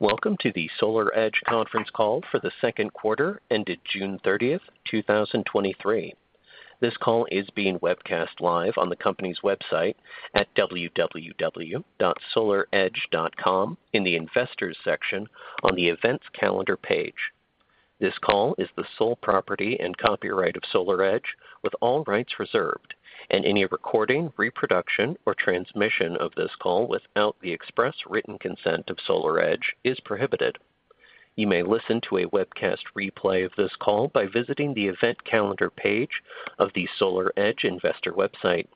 Welcome to the SolarEdge conference call for the Q2 ended June thirtieth, 2023. This call is being webcast live on the company's website at www.solaredge.com in the Investors section on the Events Calendar page. This call is the sole property and copyright of SolarEdge, with all rights reserved, and any recording, reproduction or transmission of this call without the express written consent of SolarEdge is prohibited. You may listen to a webcast replay of this call by visiting the Event Calendar page of the SolarEdge investor website.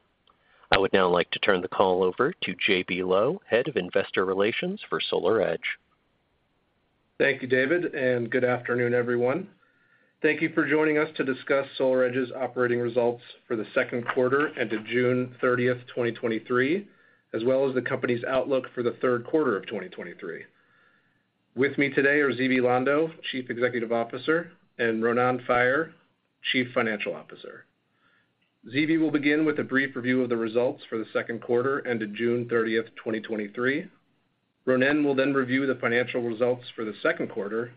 I would now like to turn the call over to JB Lowe, Head of Investor Relations for SolarEdge. Thank you, David, good afternoon, everyone. Thank you for joining us to discuss SolarEdge's operating results for the Q2 ended June 30, 2023, as well as the company's outlook for the Q3 of 2023. With me today are Zvi Lando, Chief Executive Officer, and Ronen Faier, Chief Financial Officer. Zvi will begin with a brief review of the results for the Q2 ended June 30, 2023. Ronen will then review the financial results for the Q2,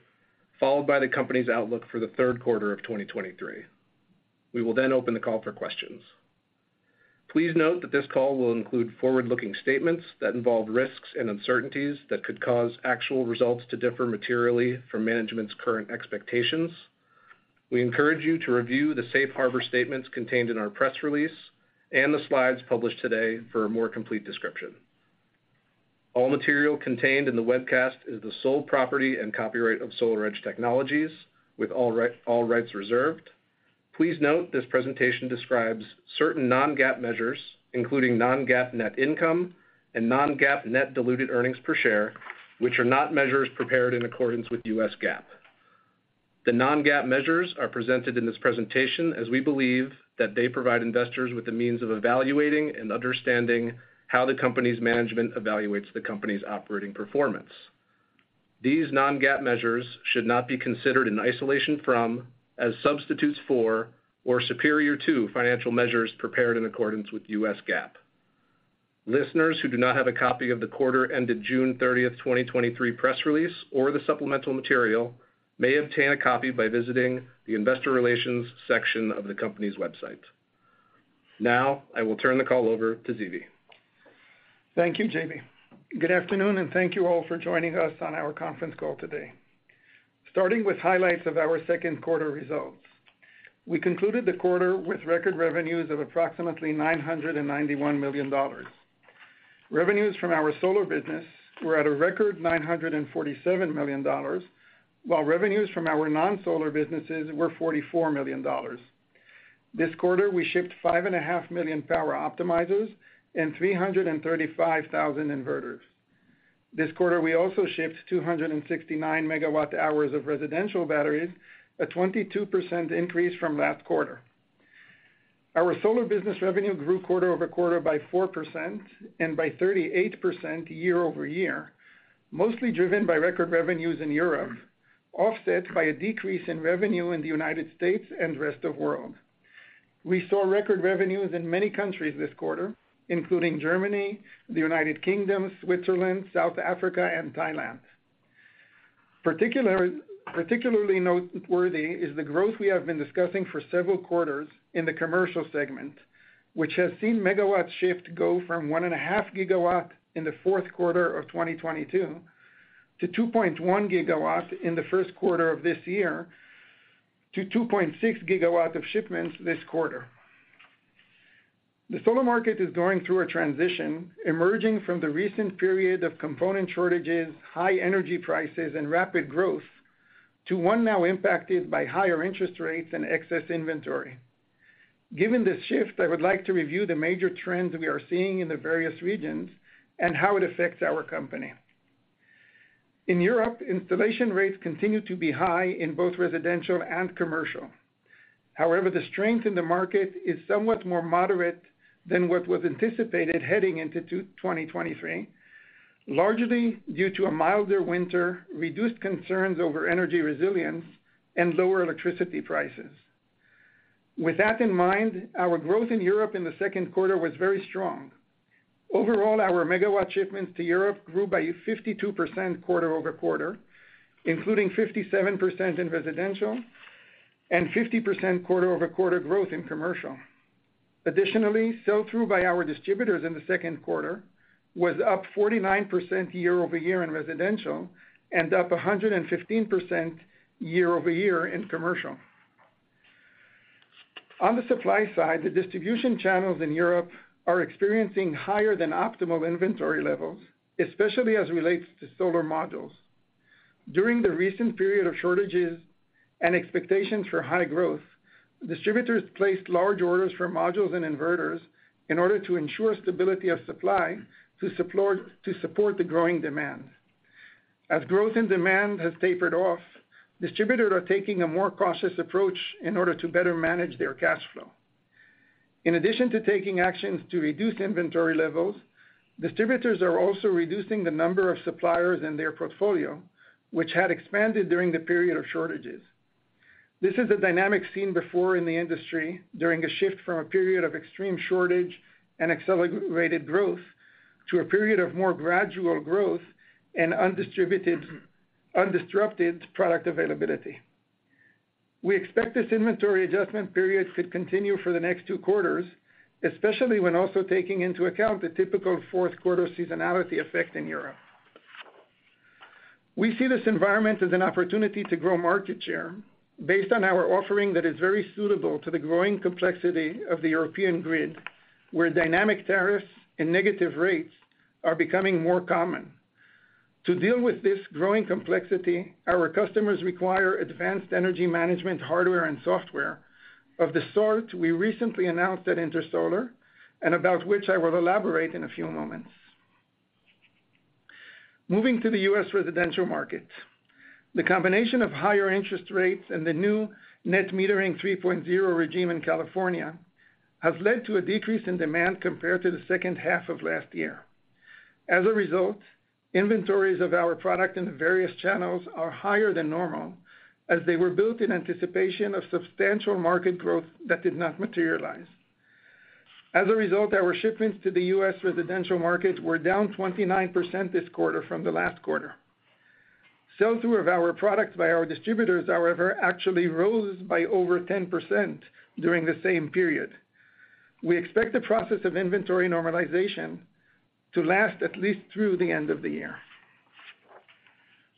followed by the company's outlook for the Q3 of 2023. We will then open the call for questions. Please note that this call will include forward-looking statements that involve risks and uncertainties that could cause actual results to differ materially from management's current expectations. We encourage you to review the safe harbor statements contained in our press release and the slides published today for a more complete description. All material contained in the webcast is the sole property and copyright of SolarEdge Technologies, with all rights reserved. Please note, this presentation describes certain non-GAAP measures, including non-GAAP net income and non-GAAP net diluted earnings per share, which are not measures prepared in accordance with US GAAP. The non-GAAP measures are presented in this presentation as we believe that they provide investors with the means of evaluating and understanding how the company's management evaluates the company's operating performance. These non-GAAP measures should not be considered in isolation from, as substitutes for, or superior to financial measures prepared in accordance with US GAAP. Listeners who do not have a copy of the quarter ended June thirtieth, 2023, press release or the supplemental material may obtain a copy by visiting the Investor Relations section of the company's website. Now I will turn the call over to Zvi. Thank you, JB. Good afternoon. Thank you all for joining us on our conference call today. Starting with highlights of our Q2 results. We concluded the quarter with record revenues of approximately $991 million. Revenues from our solar business were at a record $947 million, while revenues from our non-solar businesses were $44 million. This quarter, we shipped 5.5 million Power Optimizers and 335,000 inverters. This quarter, we also shipped 269 megawatt hours of residential batteries, a 22% increase from last quarter. Our solar business revenue grew quarter-over-quarter by 4% and by 38% year-over-year, mostly driven by record revenues in Europe, offset by a decrease in revenue in the United States and rest of world. We saw record revenues in many countries this quarter, including Germany, the United Kingdom, Switzerland, South Africa, and Thailand. Particularly noteworthy is the growth we have been discussing for several quarters in the commercial segment, which has seen megawatts shift go from 1.5 gigawatt in the Q4 of 2022, to 2.1 gigawatts in the Q1 of this year, to 2.6 gigawatts of shipments this quarter. The solar market is going through a transition, emerging from the recent period of component shortages, high energy prices, and rapid growth, to one now impacted by higher interest rates and excess inventory. Given this shift, I would like to review the major trends we are seeing in the various regions and how it affects our company. In Europe, installation rates continue to be high in both residential and commercial. However, the strength in the market is somewhat more moderate than what was anticipated heading into 2023, largely due to a milder winter, reduced concerns over energy resilience, and lower electricity prices. With that in mind, our growth in Europe in the Q was very strong. Overall, our megawatt shipments to Europe grew by 52% quarter-over-quarter, including 57% in residential and 50% quarter-over-quarter growth in commercial. Additionally, sell-through by our distributors in the Q2 was up 49% year-over-year in residential and up 115% year-over-year in commercial. On the supply side, the distribution channels in Europe are experiencing higher than optimal inventory levels, especially as it relates to solar modules. During the recent period of shortages and expectations for high growth, distributors placed large orders for modules and inverters in order to ensure stability of supply to support the growing demand. As growth in demand has tapered off, distributors are taking a more cautious approach in order to better manage their cash flow. In addition to taking actions to reduce inventory levels, distributors are also reducing the number of suppliers in their portfolio, which had expanded during the period of shortages. This is a dynamic seen before in the industry during a shift from a period of extreme shortage and accelerated growth to a period of more gradual growth and undisrupted product availability. We expect this inventory adjustment period to continue for the next two quarters, especially when also taking into account the typical Q4 seasonality effect in Europe. We see this environment as an opportunity to grow market share based on our offering that is very suitable to the growing complexity of the European grid, where dynamic tariffs and negative rates are becoming more common. To deal with this growing complexity, our customers require advanced energy management, hardware and software, of the sort we recently announced at Intersolar, and about which I will elaborate in a few moments. Moving to the U.S. residential market, the combination of higher interest rates and the new Net Metering 3.0 regime in California, have led to a decrease in demand compared to the second half of last year. As a result, inventories of our product in the various channels are higher than normal, as they were built in anticipation of substantial market growth that did not materialize. As a result, our shipments to the U.S. residential markets were down 29% this quarter from the last quarter. Sell-through of our products by our distributors, however, actually rose by over 10% during the same period. We expect the process of inventory normalization to last at least through the end of the year.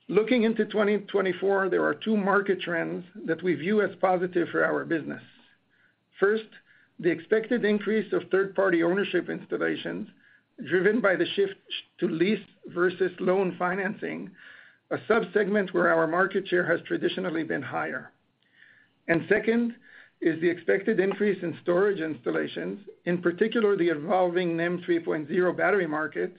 Looking into 2024, there are two market trends that we view as positive for our business. First, the expected increase of third-party ownership installations, driven by the shift to lease versus loan financing, a sub-segment where our market share has traditionally been higher. Second, is the expected increase in storage installations, in particular, the evolving NEM 3.0 battery market,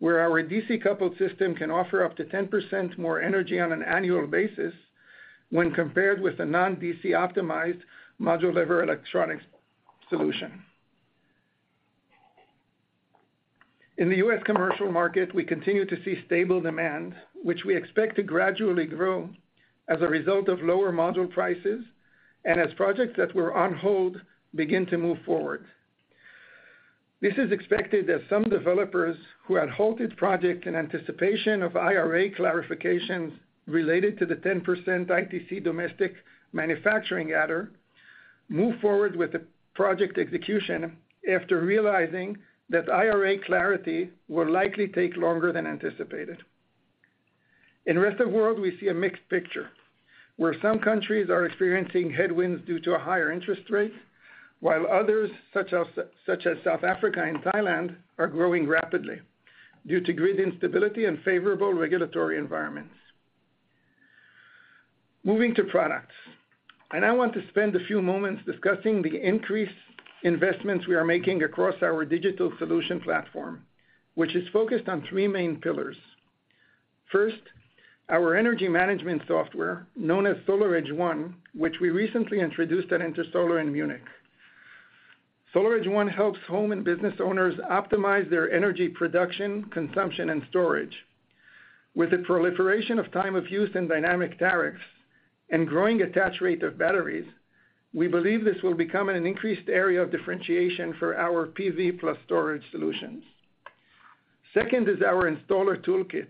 where our DC-coupled system can offer up to 10% more energy on an annual basis when compared with a non-DC-optimized module-level electronics solution. In the U.S. commercial market, we continue to see stable demand, which we expect to gradually grow as a result of lower module prices and as projects that were on hold begin to move forward. This is expected as some developers who had halted project in anticipation of IRA clarifications related to the 10% ITC domestic manufacturing adder, move forward with the project execution after realizing that IRA clarity will likely take longer than anticipated. In rest of world, we see a mixed picture, where some countries are experiencing headwinds due to a higher interest rate, while others, such as South Africa and Thailand, are growing rapidly due to grid instability and favorable regulatory environments. Moving to products. I want to spend a few moments discussing the increased investments we are making across our digital solution platform, which is focused on three main pillars. First, our energy management software, known as SolarEdge One, which we recently introduced at Intersolar in Munich. SolarEdge One helps home and business owners optimize their energy production, consumption, and storage. With the proliferation of time of use and dynamic tariffs and growing attach rate of batteries, we believe this will become an increased area of differentiation for our PV plus storage solutions. Second is our installer toolkit,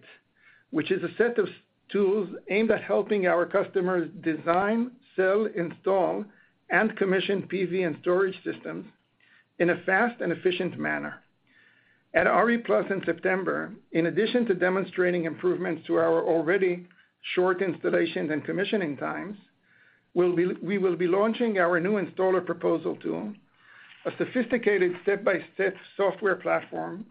which is a set of tools aimed at helping our customers design, sell, install, and commission PV and storage systems in a fast and efficient manner. At RE+ in September, in addition to demonstrating improvements to our already short installation and commissioning times, we will be launching our new installer proposal tool, a sophisticated step-by-step software platform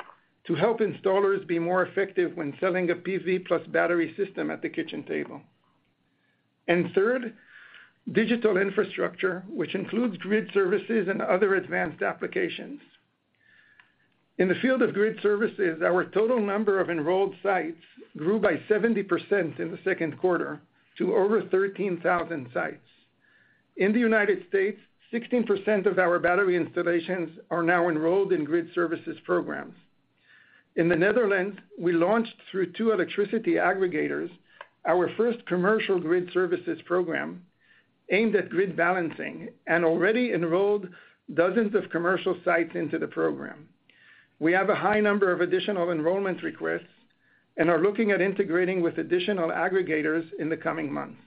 to help installers be more effective when selling a PV plus battery system at the kitchen table. Third, digital infrastructure, which includes grid services and other advanced applications. In the field of grid services, our total number of enrolled sites grew by 70% in the Q2 to over 13,000 sites. In the United States, 16% of our battery installations are now enrolled in grid services programs. In the Netherlands, we launched through two electricity aggregators, our first commercial grid services program aimed at grid balancing and already enrolled dozens of commercial sites into the program. We have a high number of additional enrollment requests and are looking at integrating with additional aggregators in the coming months.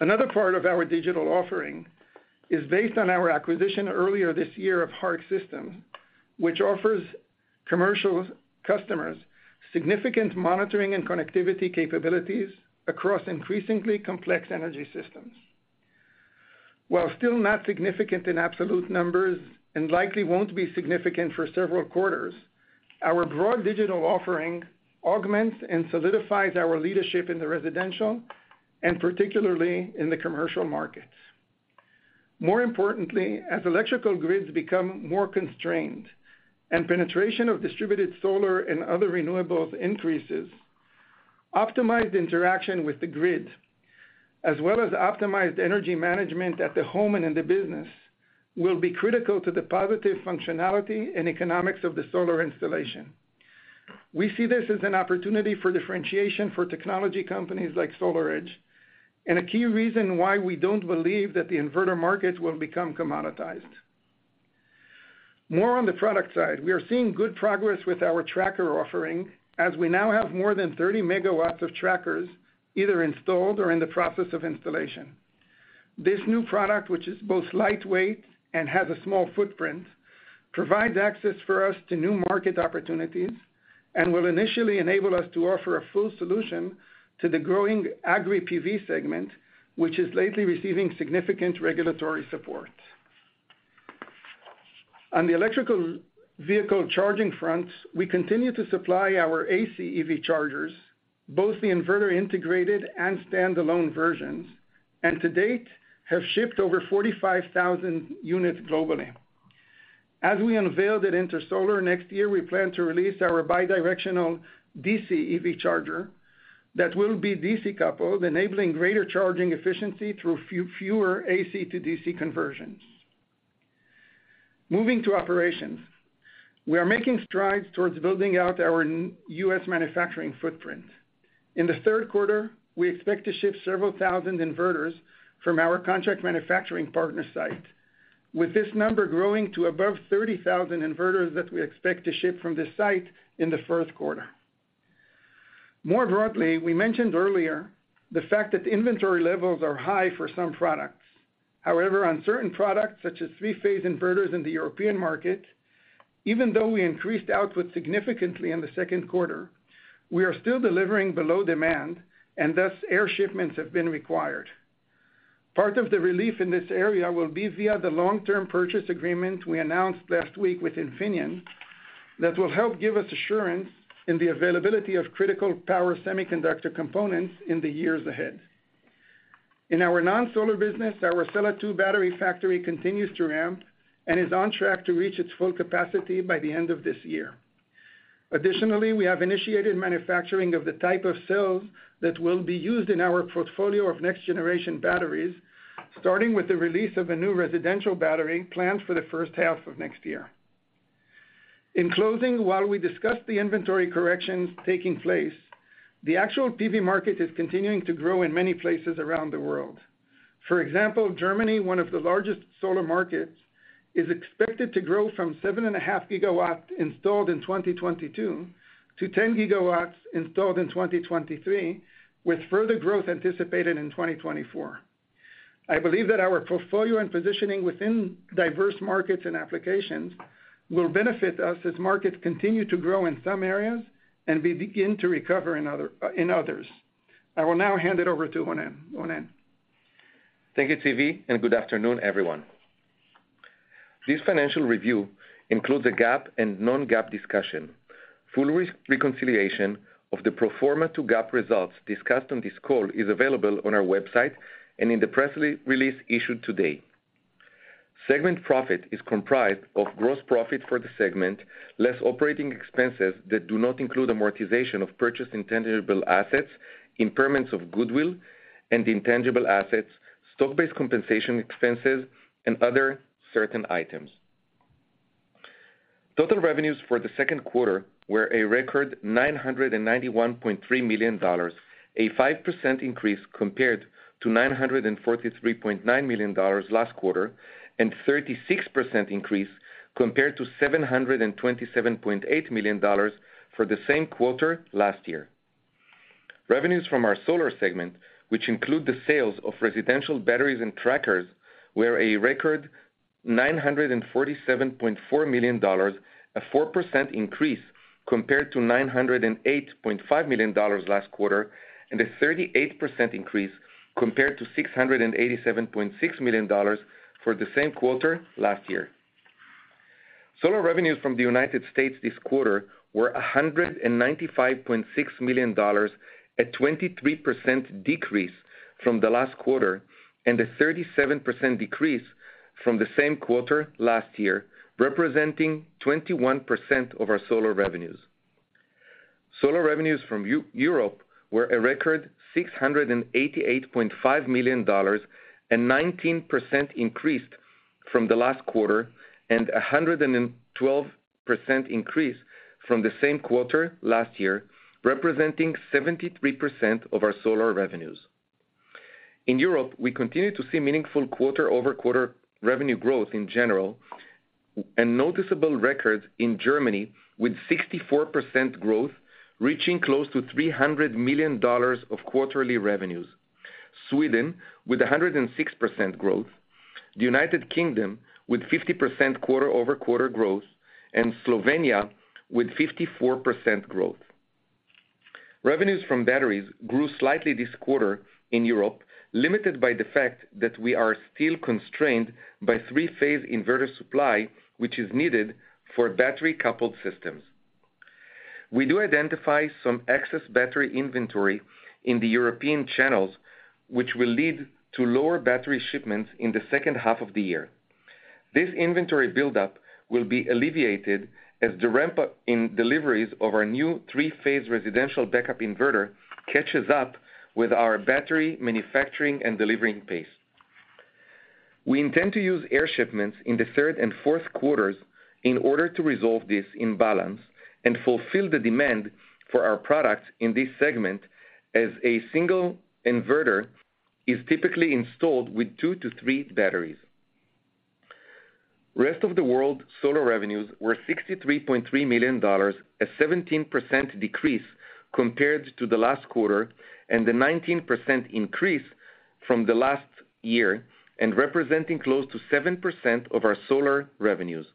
Another part of our digital offering is based on our acquisition earlier this year of Hark Systems, which offers commercial customers significant monitoring and connectivity capabilities across increasingly complex energy systems. While still not significant in absolute numbers, and likely won't be significant for several quarters, our broad digital offering augments and solidifies our leadership in the residential and particularly in the commercial markets. More importantly, as electrical grids become more constrained and penetration of distributed solar and other renewables increases, optimized interaction with the grid, as well as optimized energy management at the home and in the business, will be critical to the positive functionality and economics of the solar installation. We see this as an opportunity for differentiation for technology companies like SolarEdge, and a key reason why we don't believe that the inverter markets will become commoditized. More on the product side, we are seeing good progress with our tracker offering, as we now have more than 30 megawatts of trackers either installed or in the process of installation. This new product, which is both lightweight and has a small footprint, provides access for us to new market opportunities and will initially enable us to offer a full solution to the growing Agri-PV segment, which is lately receiving significant regulatory support. On the electrical vehicle charging fronts, we continue to supply our AC EV chargers, both the inverter-integrated and standalone versions. To date, have shipped over 45,000 units globally. As we unveiled at Intersolar, next year, we plan to release our bidirectional DC EV charger that will be DC-coupled, enabling greater charging efficiency through fewer AC to DC conversions. Moving to operations, we are making strides towards building out our U.S. manufacturing footprint. In the Q3, we expect to ship several thousand inverters from our contract manufacturing partner site, with this number growing to above 30,000 inverters that we expect to ship from this site in the Q1. More broadly, we mentioned earlier the fact that inventory levels are high for some products. However, on certain products, such as three-phase inverters in the European market, even though we increased output significantly in the Q2, we are still delivering below demand, and thus, air shipments have been required. Part of the relief in this area will be via the long-term purchase agreement we announced last week with Infineon, that will help give us assurance in the availability of critical power semiconductor components in the years ahead. In our non-solar business, our Sella 2 battery factory continues to ramp and is on track to reach its full capacity by the end of this year. Additionally, we have initiated manufacturing of the type of cells that will be used in our portfolio of next-generation batteries, starting with the release of a new residential battery planned for the first half of next year. In closing, while we discuss the inventory corrections taking place, the actual PV market is continuing to grow in many places around the world. For example, Germany, one of the largest solar markets, is expected to grow from 7.5 gigawatts installed in 2022 to 10 gigawatts installed in 2023, with further growth anticipated in 2024. I believe that our portfolio and positioning within diverse markets and applications will benefit us as markets continue to grow in some areas and we begin to recover in others. I will now hand it over to Ronen. Ronen? Thank you, Zvi, and good afternoon, everyone. This financial review includes a GAAP and non-GAAP discussion. Full reconciliation of the pro forma to GAAP results discussed on this call is available on our website and in the press release issued today. Segment profit is comprised of gross profit for the segment, less operating expenses that do not include amortization of purchased intangible assets, impairments of goodwill and intangible assets, stock-based compensation expenses, and other certain items. Total revenues for the Q2 were a record $991.3 million, a 5% increase compared to $943.9 million last quarter, and 36% increase compared to $727.8 million for the same quarter last year. Revenues from our solar segment, which include the sales of residential batteries and trackers, were a record $947.4 million, a 4% increase compared to $908.5 million last quarter, and a 38% increase compared to $687.6 million for the same quarter last year. Solar revenues from the United States this quarter were $195.6 million, a 23% decrease from the last quarter, and a 37% decrease from the same quarter last year, representing 21% of our solar revenues. Solar revenues from Europe were a record $688.5 million, a 19% increase from the last quarter, and a 112% increase from the same quarter last year, representing 73% of our solar revenues. In Europe, we continue to see meaningful quarter-over-quarter revenue growth in general, and noticeable records in Germany, with 64% growth, reaching close to $300 million of quarterly revenues. Sweden with 106% growth, the United Kingdom with 50% quarter-over-quarter growth, and Slovenia with 54% growth. Revenues from batteries grew slightly this quarter in Europe, limited by the fact that we are still constrained by three-phase inverter supply, which is needed for battery-coupled systems. We do identify some excess battery inventory in the European channels, which will lead to lower battery shipments in the second half of the year. This inventory buildup will be alleviated as the ramp up in deliveries of our new three-phase residential backup inverter catches up with our battery manufacturing and delivering pace.... We intend to use air shipments in the third and Q4 in order to resolve this imbalance and fulfill the demand for our products in this segment, as a single inverter is typically installed with two to three batteries. Rest of the world solar revenues were $63.3 million, a 17% decrease compared to the last quarter, and a 19% increase from the last year, and representing close to 7% of our solar revenues.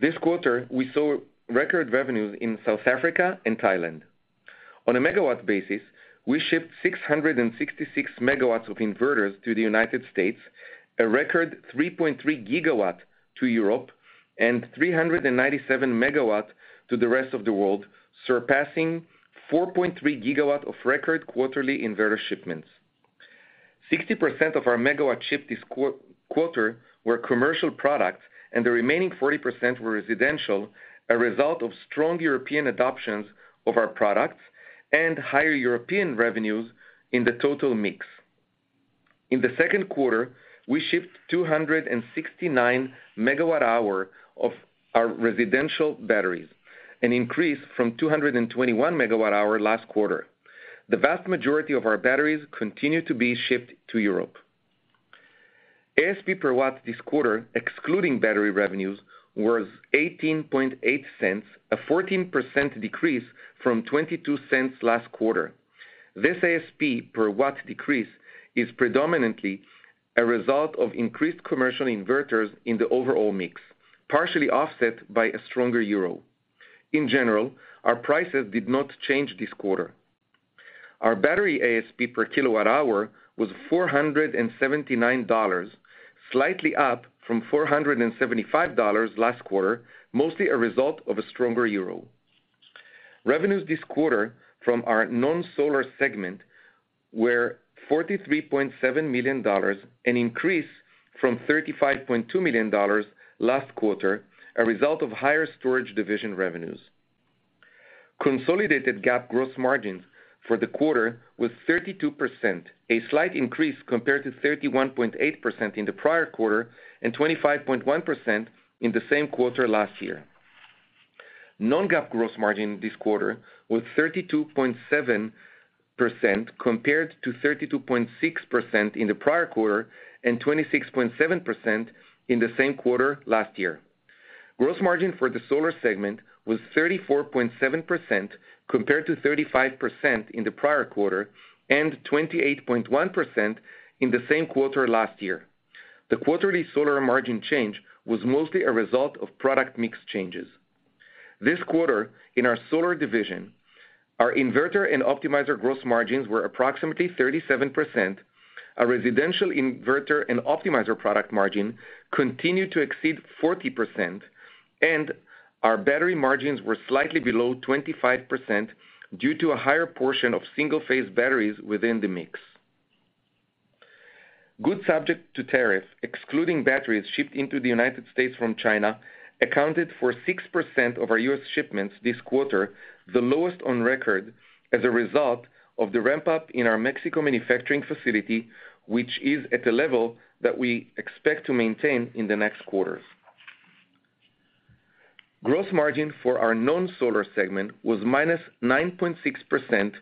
This quarter, we saw record revenues in South Africa and Thailand. On a megawatt basis, we shipped 666 megawatts of inverters to the United States, a record 3.3 gigawatts to Europe, and 397 megawatts to the rest of the world, surpassing 4.3 gigawatts of record quarterly inverter shipments. 60% of our megawatt shipped this quarter were commercial products, and the remaining 40% were residential, a result of strong European adoptions of our products and higher European revenues in the total mix. In the Q2 we shipped 269 MWh of our residential batteries, an increase from 221 MWh last quarter. The vast majority of our batteries continue to be shipped to Europe. ASP per watt this quarter, excluding battery revenues, was $0.188, a 14% decrease from $0.22 last quarter. This ASP per watt decrease is predominantly a result of increased commercial inverters in the overall mix, partially offset by a stronger euro. In general, our prices did not change this quarter. Our battery ASP per kilowatt hour was $479, slightly up from $475 last quarter, mostly a result of a stronger euro. Revenues this quarter from our non-solar segment were $43.7 million, an increase from $35.2 million last quarter, a result of higher storage division revenues. Consolidated GAAP gross margins for the quarter was 32%, a slight increase compared to 31.8% in the prior quarter and 25.1% in the same quarter last year. Non-GAAP gross margin this quarter was 32.7%, compared to 32.6% in the prior quarter and 26.7% in the same quarter last year. Gross margin for the solar segment was 34.7%, compared to 35% in the prior quarter and 28.1% in the same quarter last year. The quarterly solar margin change was mostly a result of product mix changes. This quarter, in our solar division, our inverter and optimizer gross margins were approximately 37%, our residential inverter and optimizer product margin continued to exceed 40%, and our battery margins were slightly below 25% due to a higher portion of single-phase batteries within the mix. Goods subject to tariffs, excluding batteries shipped into the United States from China, accounted for 6% of our US shipments this quarter, the lowest on record, as a result of the ramp-up in our Mexico manufacturing facility, which is at a level that we expect to maintain in the next quarters. Gross margin for our non-solar segment was -9.6%,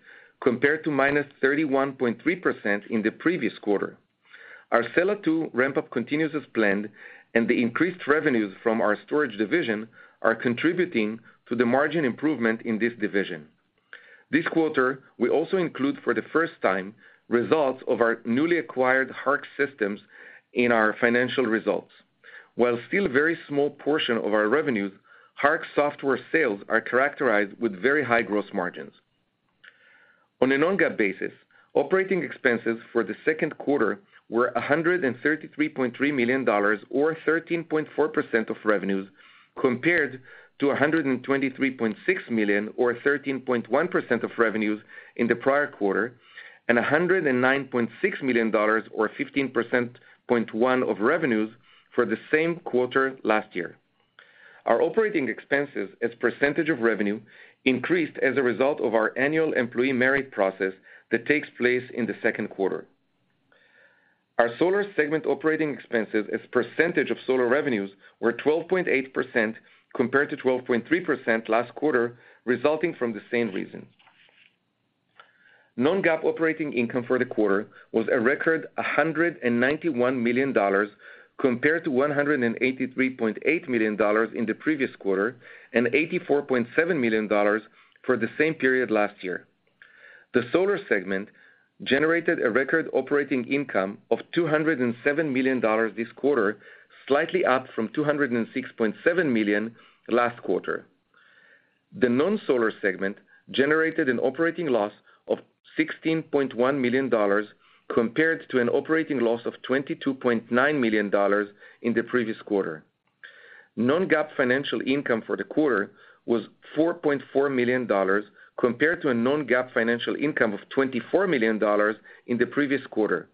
compared to -31.3% in the previous quarter. Our Sella 2 ramp-up continues as planned, and the increased revenues from our storage division are contributing to the margin improvement in this division. This quarter, we also include, for the first time, results of our newly acquired Hark Systems in our financial results. While still a very small portion of our revenues, Hark software sales are characterized with very high gross margins. On a non-GAAP basis, operating expenses for the Q2 were $133.3 million, or 13.4% of revenues, compared to $123.6 million, or 13.1% of revenues, in the prior quarter, and $109.6 million, or 15.1% of revenues, for the same quarter last year. Our operating expenses as percentage of revenue increased as a result of our annual employee merit process that takes place in the Q2. Our solar segment operating expenses as percentage of solar revenues were 12.8%, compared to 12.3% last quarter, resulting from the same reason. Non-GAAP operating income for the quarter was a record, $191 million, compared to $183.8 million in the previous quarter, and $84.7 million for the same period last year. The solar segment generated a record operating income of $207 million this quarter, slightly up from $206.7 million last quarter. The non-solar segment generated an operating loss of $16.1 million, compared to an operating loss of $22.9 million in the previous quarter. Non-GAAP financial income for the quarter was $4.4 million, compared to a non-GAAP financial income of $24 million in the previous quarter.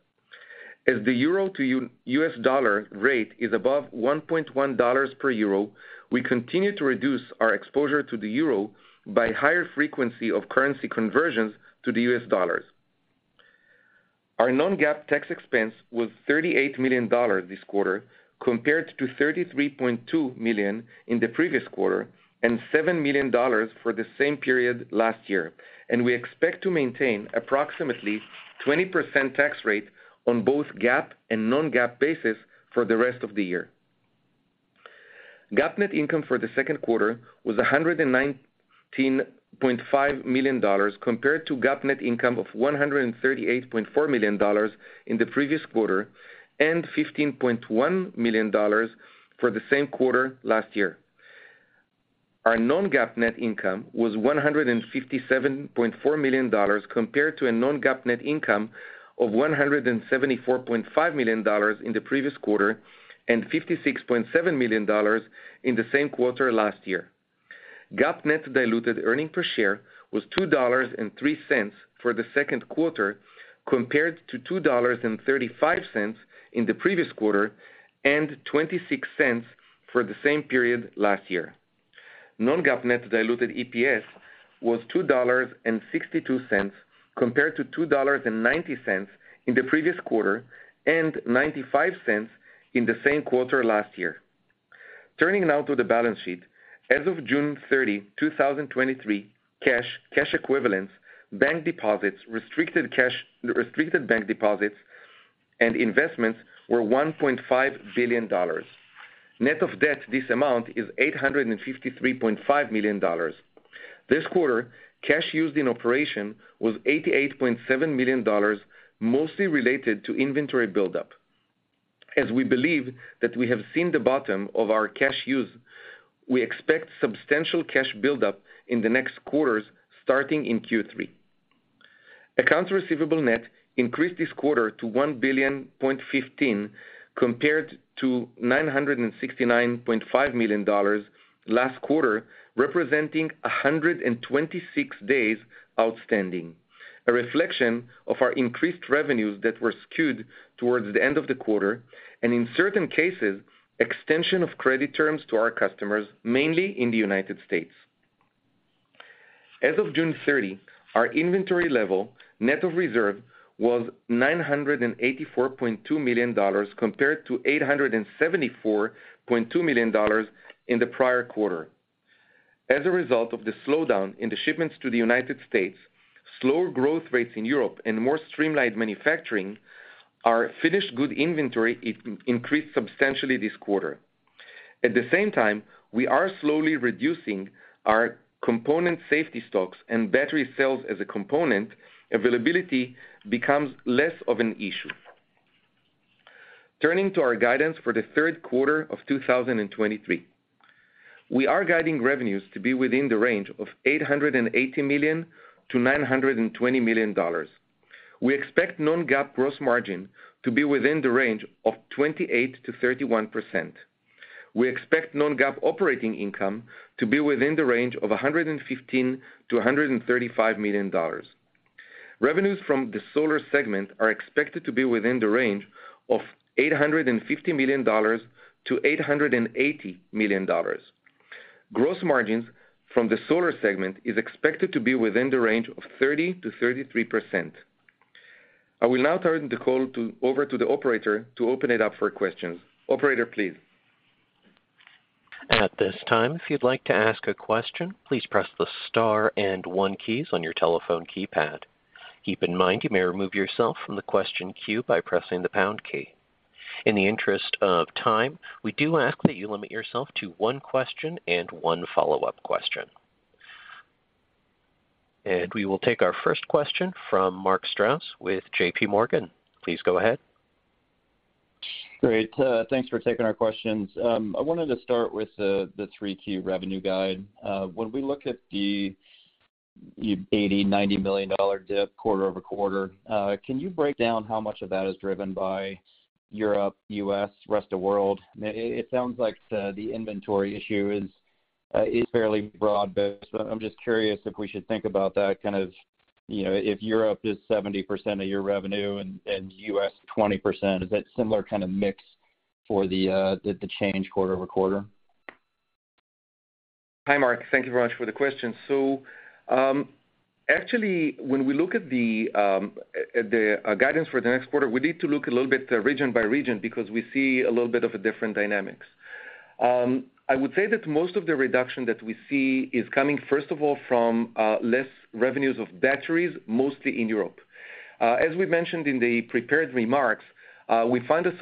As the euro to U.S. dollar rate is above 1.1 dollars per euro, we continue to reduce our exposure to the euro by higher frequency of currency conversions to the U.S. dollars. Our non-GAAP tax expense was $38 million this quarter, compared to $33.2 million in the previous quarter, and $7 million for the same period last year. We expect to maintain approximately 20% tax rate on both GAAP and non-GAAP basis for the rest of the year. GAAP net income for the Q2 was $119.5 million, compared to GAAP net income of $138.4 million in the previous quarter, and $15.1 million for the same quarter last year. Our non-GAAP net income was $157.4 million, compared to a non-GAAP net income of $174.5 million in the previous quarter, and $56.7 million in the same quarter last year. GAAP net diluted earning per share was $2.03 for the Q2, compared to $2.35 in the previous quarter, and $0.26 for the same period last year. Non-GAAP net diluted EPS was $2.62, compared to $2.90 in the previous quarter, and $0.95 in the same quarter last year. Turning now to the balance sheet. As of June 30, 2023, cash, cash equivalents, bank deposits, restricted cash, restricted bank deposits, and investments were $1.5 billion. Net of debt, this amount is $853.5 million. This quarter, cash used in operation was $88.7 million, mostly related to inventory buildup. As we believe that we have seen the bottom of our cash use, we expect substantial cash buildup in the next quarters, starting in Q3. Accounts receivable net increased this quarter to $1.015 billion, compared to $969.5 million last quarter, representing 126 days outstanding, a reflection of our increased revenues that were skewed towards the end of the quarter, and in certain cases, extension of credit terms to our customers, mainly in the United States. As of June 30, our inventory level, net of reserve, was $984.2 million, compared to $874.2 million in the prior quarter. As a result of the slowdown in the shipments to the United States, slower growth rates in Europe, and more streamlined manufacturing, our finished good inventory increased substantially this quarter. At the same time, we are slowly reducing our component safety stocks and battery cells as component availability becomes less of an issue. Turning to our guidance for the Q3 of 2023. We are guiding revenues to be within the range of $880 million to 920 million. We expect non-GAAP gross margin to be within the range of 28 to 31%. We expect non-GAAP operating income to be within the range of $115 million to 135 million. Revenues from the solar segment are expected to be within the range of $850 million to 880 million. Gross margins from the solar segment is expected to be within the range of 30 to 33%. I will now turn the call to, over to the operator to open it up for questions. Operator, please. At this time, if you'd like to ask a question, please press the star and 1 keys on your telephone keypad. Keep in mind, you may remove yourself from the question queue by pressing the pound key. In the interest of time, we do ask that you limit yourself to 1 question and 1 follow-up question. We will take our first question from Mark Strouse with JP Morgan. Please go ahead. Great, thanks for taking our questions. I wanted to start with the 3-key revenue guide. When we look at the $80 million to 90 million dip quarter-over-quarter, can you break down how much of that is driven by Europe, US, rest of world? It sounds like the inventory issue is fairly broad, but I'm just curious if we should think about that kind of, you know, if Europe is 70% of your revenue and US, 20%, is that similar kind of mix for the change quarter-over-quarter? Hi, Mark. Thank you very much for the question. Actually, when we look at the guidance for the next quarter, we need to look a little bit region by region because we see a little bit of a different dynamics. I would say that most of the reduction that we see is coming, first of all, from less revenues of batteries, mostly in Europe. As we mentioned in the prepared remarks, we found a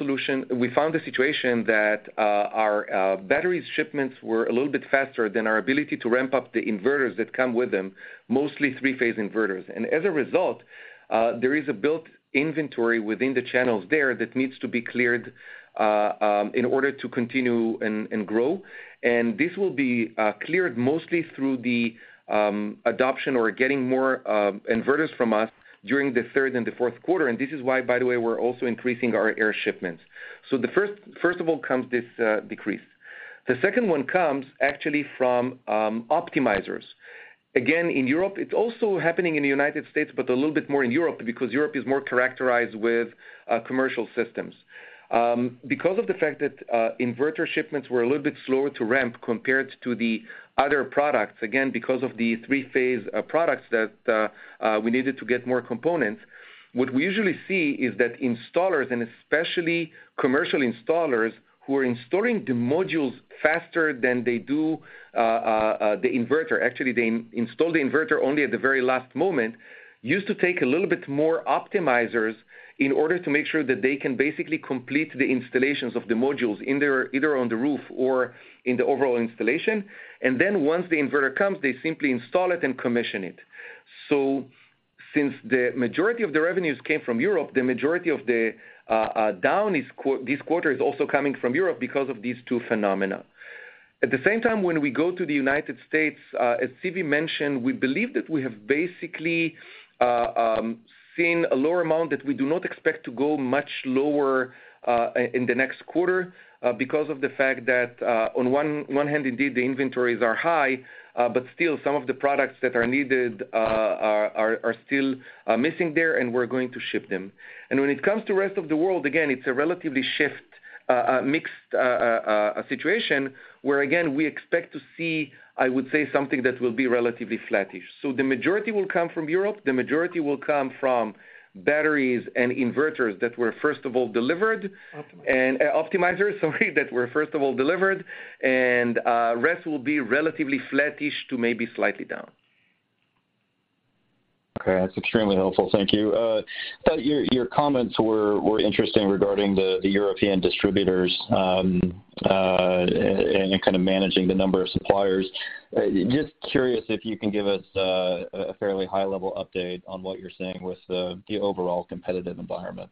situation that our batteries shipments were a little bit faster than our ability to ramp up the inverters that come with them, mostly three-phase inverters. As a result, there is a built inventory within the channels there that needs to be cleared in order to continue and grow. This will be cleared mostly through the adoption or getting more inverters from us during the third and the Q4. This is why, by the way, we're also increasing our air shipments. The first, first of all comes this decrease. The second one comes actually from optimizers. Again, in Europe, it's also happening in the United States, but a little bit more in Europe, because Europe is more characterized with commercial systems. Because of the fact that inverter shipments were a little bit slower to ramp compared to the other products, again, because of the three-phase products that we needed to get more components, what we usually see is that installers, and especially commercial installers, who are installing the modules faster than they do the inverter. Actually, they install the inverter only at the very last moment, used to take a little bit more optimizers in order to make sure that they can basically complete the installations of the modules in their, either on the roof or in the overall installation. Then once the inverter comes, they simply install it and commission it. Since the majority of the revenues came from Europe, the majority of the down this quarter is also coming from Europe because of these two phenomena. At the same time, when we go to the United States, as Sivi mentioned, we believe that we have basically seen a lower amount that we do not expect to go much lower in the next quarter, because of the fact that on one hand, indeed, the inventories are high, but still, some of the products that are needed, are still missing there, and we're going to ship them. When it comes to rest of the world, again, it's a relatively mixed situation, where again, we expect to see, I would say, something that will be relatively flattish. The majority will come from Europe, the majority will come from batteries and inverters that were, first of all, delivered- Optimizers. Optimizers, sorry, that were first of all delivered, and rest will be relatively flattish to maybe slightly down. Okay, that's extremely helpful. Thank you. Your, your comments were, were interesting regarding the, the European distributors, and, and kind of managing the number of suppliers. Just curious if you can give us a fairly high-level update on what you're seeing with the, the overall competitive environment.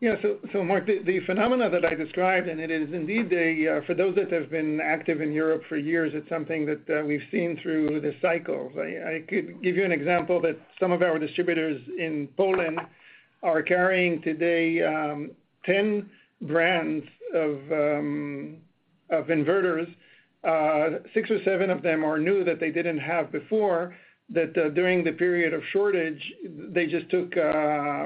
Yeah. Mark, the phenomena that I described, and it is indeed a, for those that have been active in Europe for years, it's something that we've seen through the cycles. I, I could give you an example that some of our distributors in Poland are carrying today, 10 brands of inverters. 6 or 7 of them are new that they didn't have before, that during the period of shortage, they just took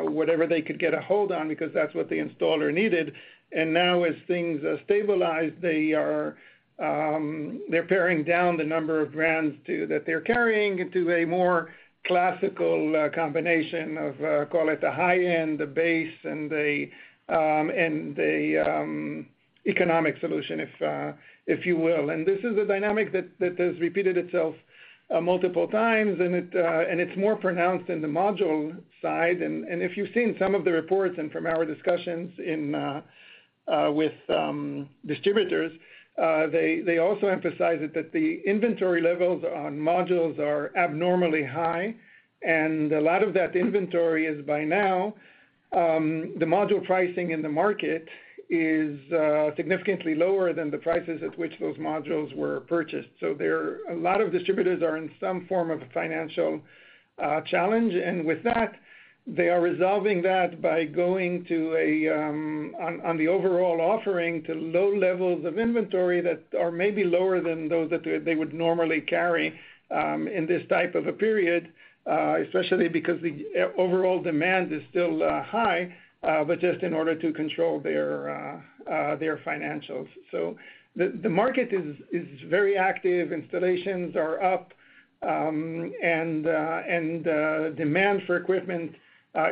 whatever they could get a hold on because that's what the installer needed. Now as things stabilize, they're paring down the number of brands to, that they're carrying into a more classical combination of, call it the high end, the base, and the, and the economic solution, if you will. This is a dynamic that, that has repeated itself, multiple times, and it's more pronounced in the module side. If you've seen some of the reports and from our discussions in with distributors, they also emphasize that, that the inventory levels on modules are abnormally high, and a lot of that inventory is, by now, the module pricing in the market is significantly lower than the prices at which those modules were purchased. There are, a lot of distributors are in some form of financial challenge, and with that, they are resolving that by going to a, on the overall offering, to low levels of inventory that are maybe lower than those that they, they would normally carry, in this type of a period, especially because the overall demand is still high, but just in order to control their financials. The market is very active. Installations are up, and demand for equipment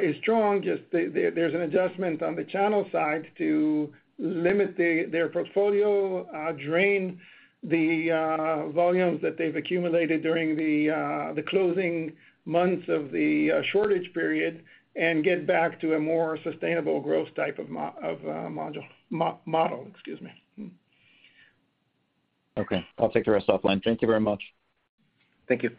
is strong. Just there, there, there's an adjustment on the channel side to limit the, their portfolio, drain the volumes that they've accumulated during the closing months of the shortage period, and get back to a more sustainable growth type of model, excuse me. Okay. I'll take the rest offline. Thank you very much. Thank you.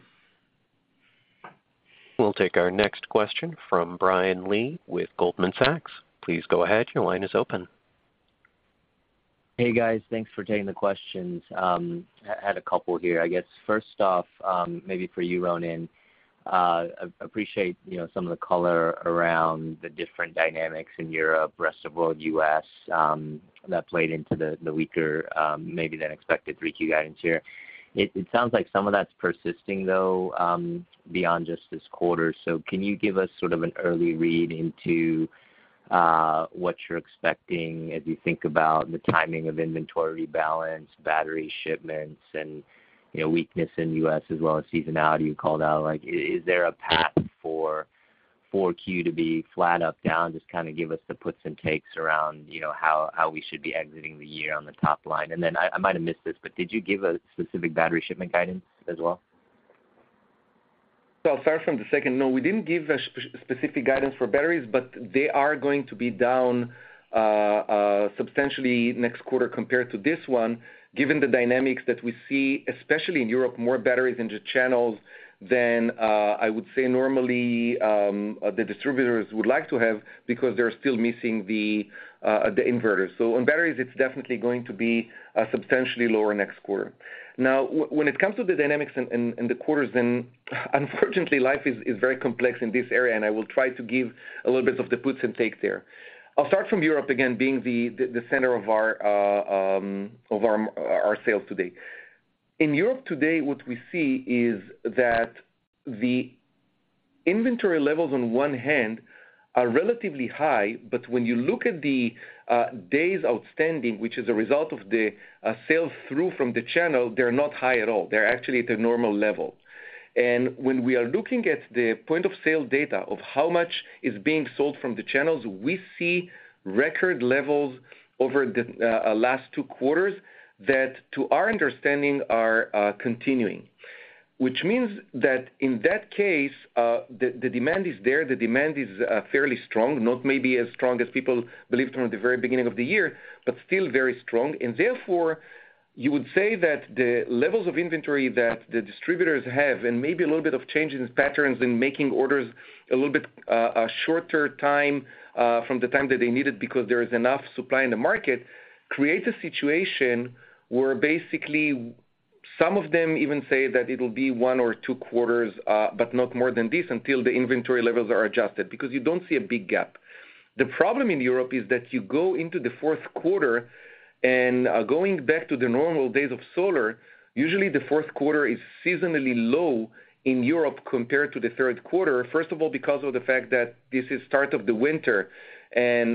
We'll take our next question from Brian Lee with Goldman Sachs. Please go ahead. Your line is open. Hey, guys. Thanks for taking the questions. I had a couple here. I guess first off, maybe for you, Ronen, appreciate, you know, some of the color around the different dynamics in Europe, rest of world, US, that played into the, the weaker, maybe than expected 3Q guidance here. It, it sounds like some of that's persisting, though, beyond just this quarter. Can you give us sort of an early read into what you're expecting as you think about the timing of inventory rebalance, battery shipments, and, you know, weakness in US as well as seasonality you called out? Like, is there a path for 4Q to be flat up/down? Just kind of give us the puts and takes around, you know, how, how we should be exiting the year on the top line. Then I, I might have missed this, but did you give a specific battery shipment guidance as well? I'll start from the second. No, we didn't give a specific guidance for batteries, but they are going to be down substantially next quarter compared to this one, given the dynamics that we see, especially in Europe, more batteries in the channels than I would say normally, the distributors would like to have because they're still missing the inverters. On batteries, it's definitely going to be substantially lower next quarter. When it comes to the dynamics and the quarters, unfortunately, life is very complex in this area, and I will try to give a little bit of the puts and takes there. I'll start from Europe again, being the center of our sales today. In Europe today, what we see is that the inventory levels on one hand are relatively high, but when you look at the days outstanding, which is a result of the sales through from the channel, they're not high at all. They're actually at the normal level. When we are looking at the point of sale data of how much is being sold from the channels, we see record levels over the last 2 quarters, that to our understanding, are continuing. Which means that in that case, the demand is there, the demand is fairly strong, not maybe as strong as people believed from the very beginning of the year, but still very strong. Therefore, you would say that the levels of inventory that the distributors have, and maybe a little bit of change in patterns in making orders a little bit, a shorter time, from the time that they need it, because there is enough supply in the market, creates a situation where basically some of them even say that it'll be one or two quarters, but not more than this until the inventory levels are adjusted, because you don't see a big gap. The problem in Europe is that you go into the Q4 and going back to the normal days of solar, usually the Q4 is seasonally low in Europe compared to the Q3. First of all, because of the fact that this is start of the winter and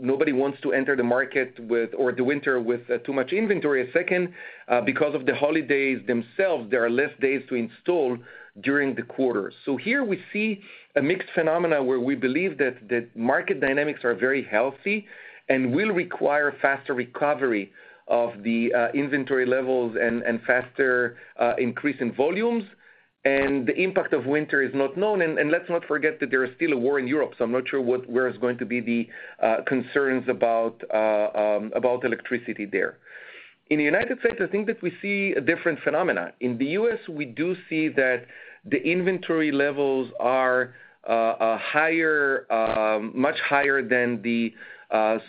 nobody wants to enter the market with, or the winter with, too much inventory. Second, because of the holidays themselves, there are less days to install during the quarter. Here we see a mixed phenomena, where we believe that the market dynamics are very healthy and will require faster recovery of the inventory levels and faster increase in volumes. The impact of winter is not known, and let's not forget that there is still a war in Europe, so I'm not sure what where is going to be the concerns about electricity there. In the United States, I think that we see a different phenomena. In the U.S., we do see that the inventory levels are a higher, much higher than the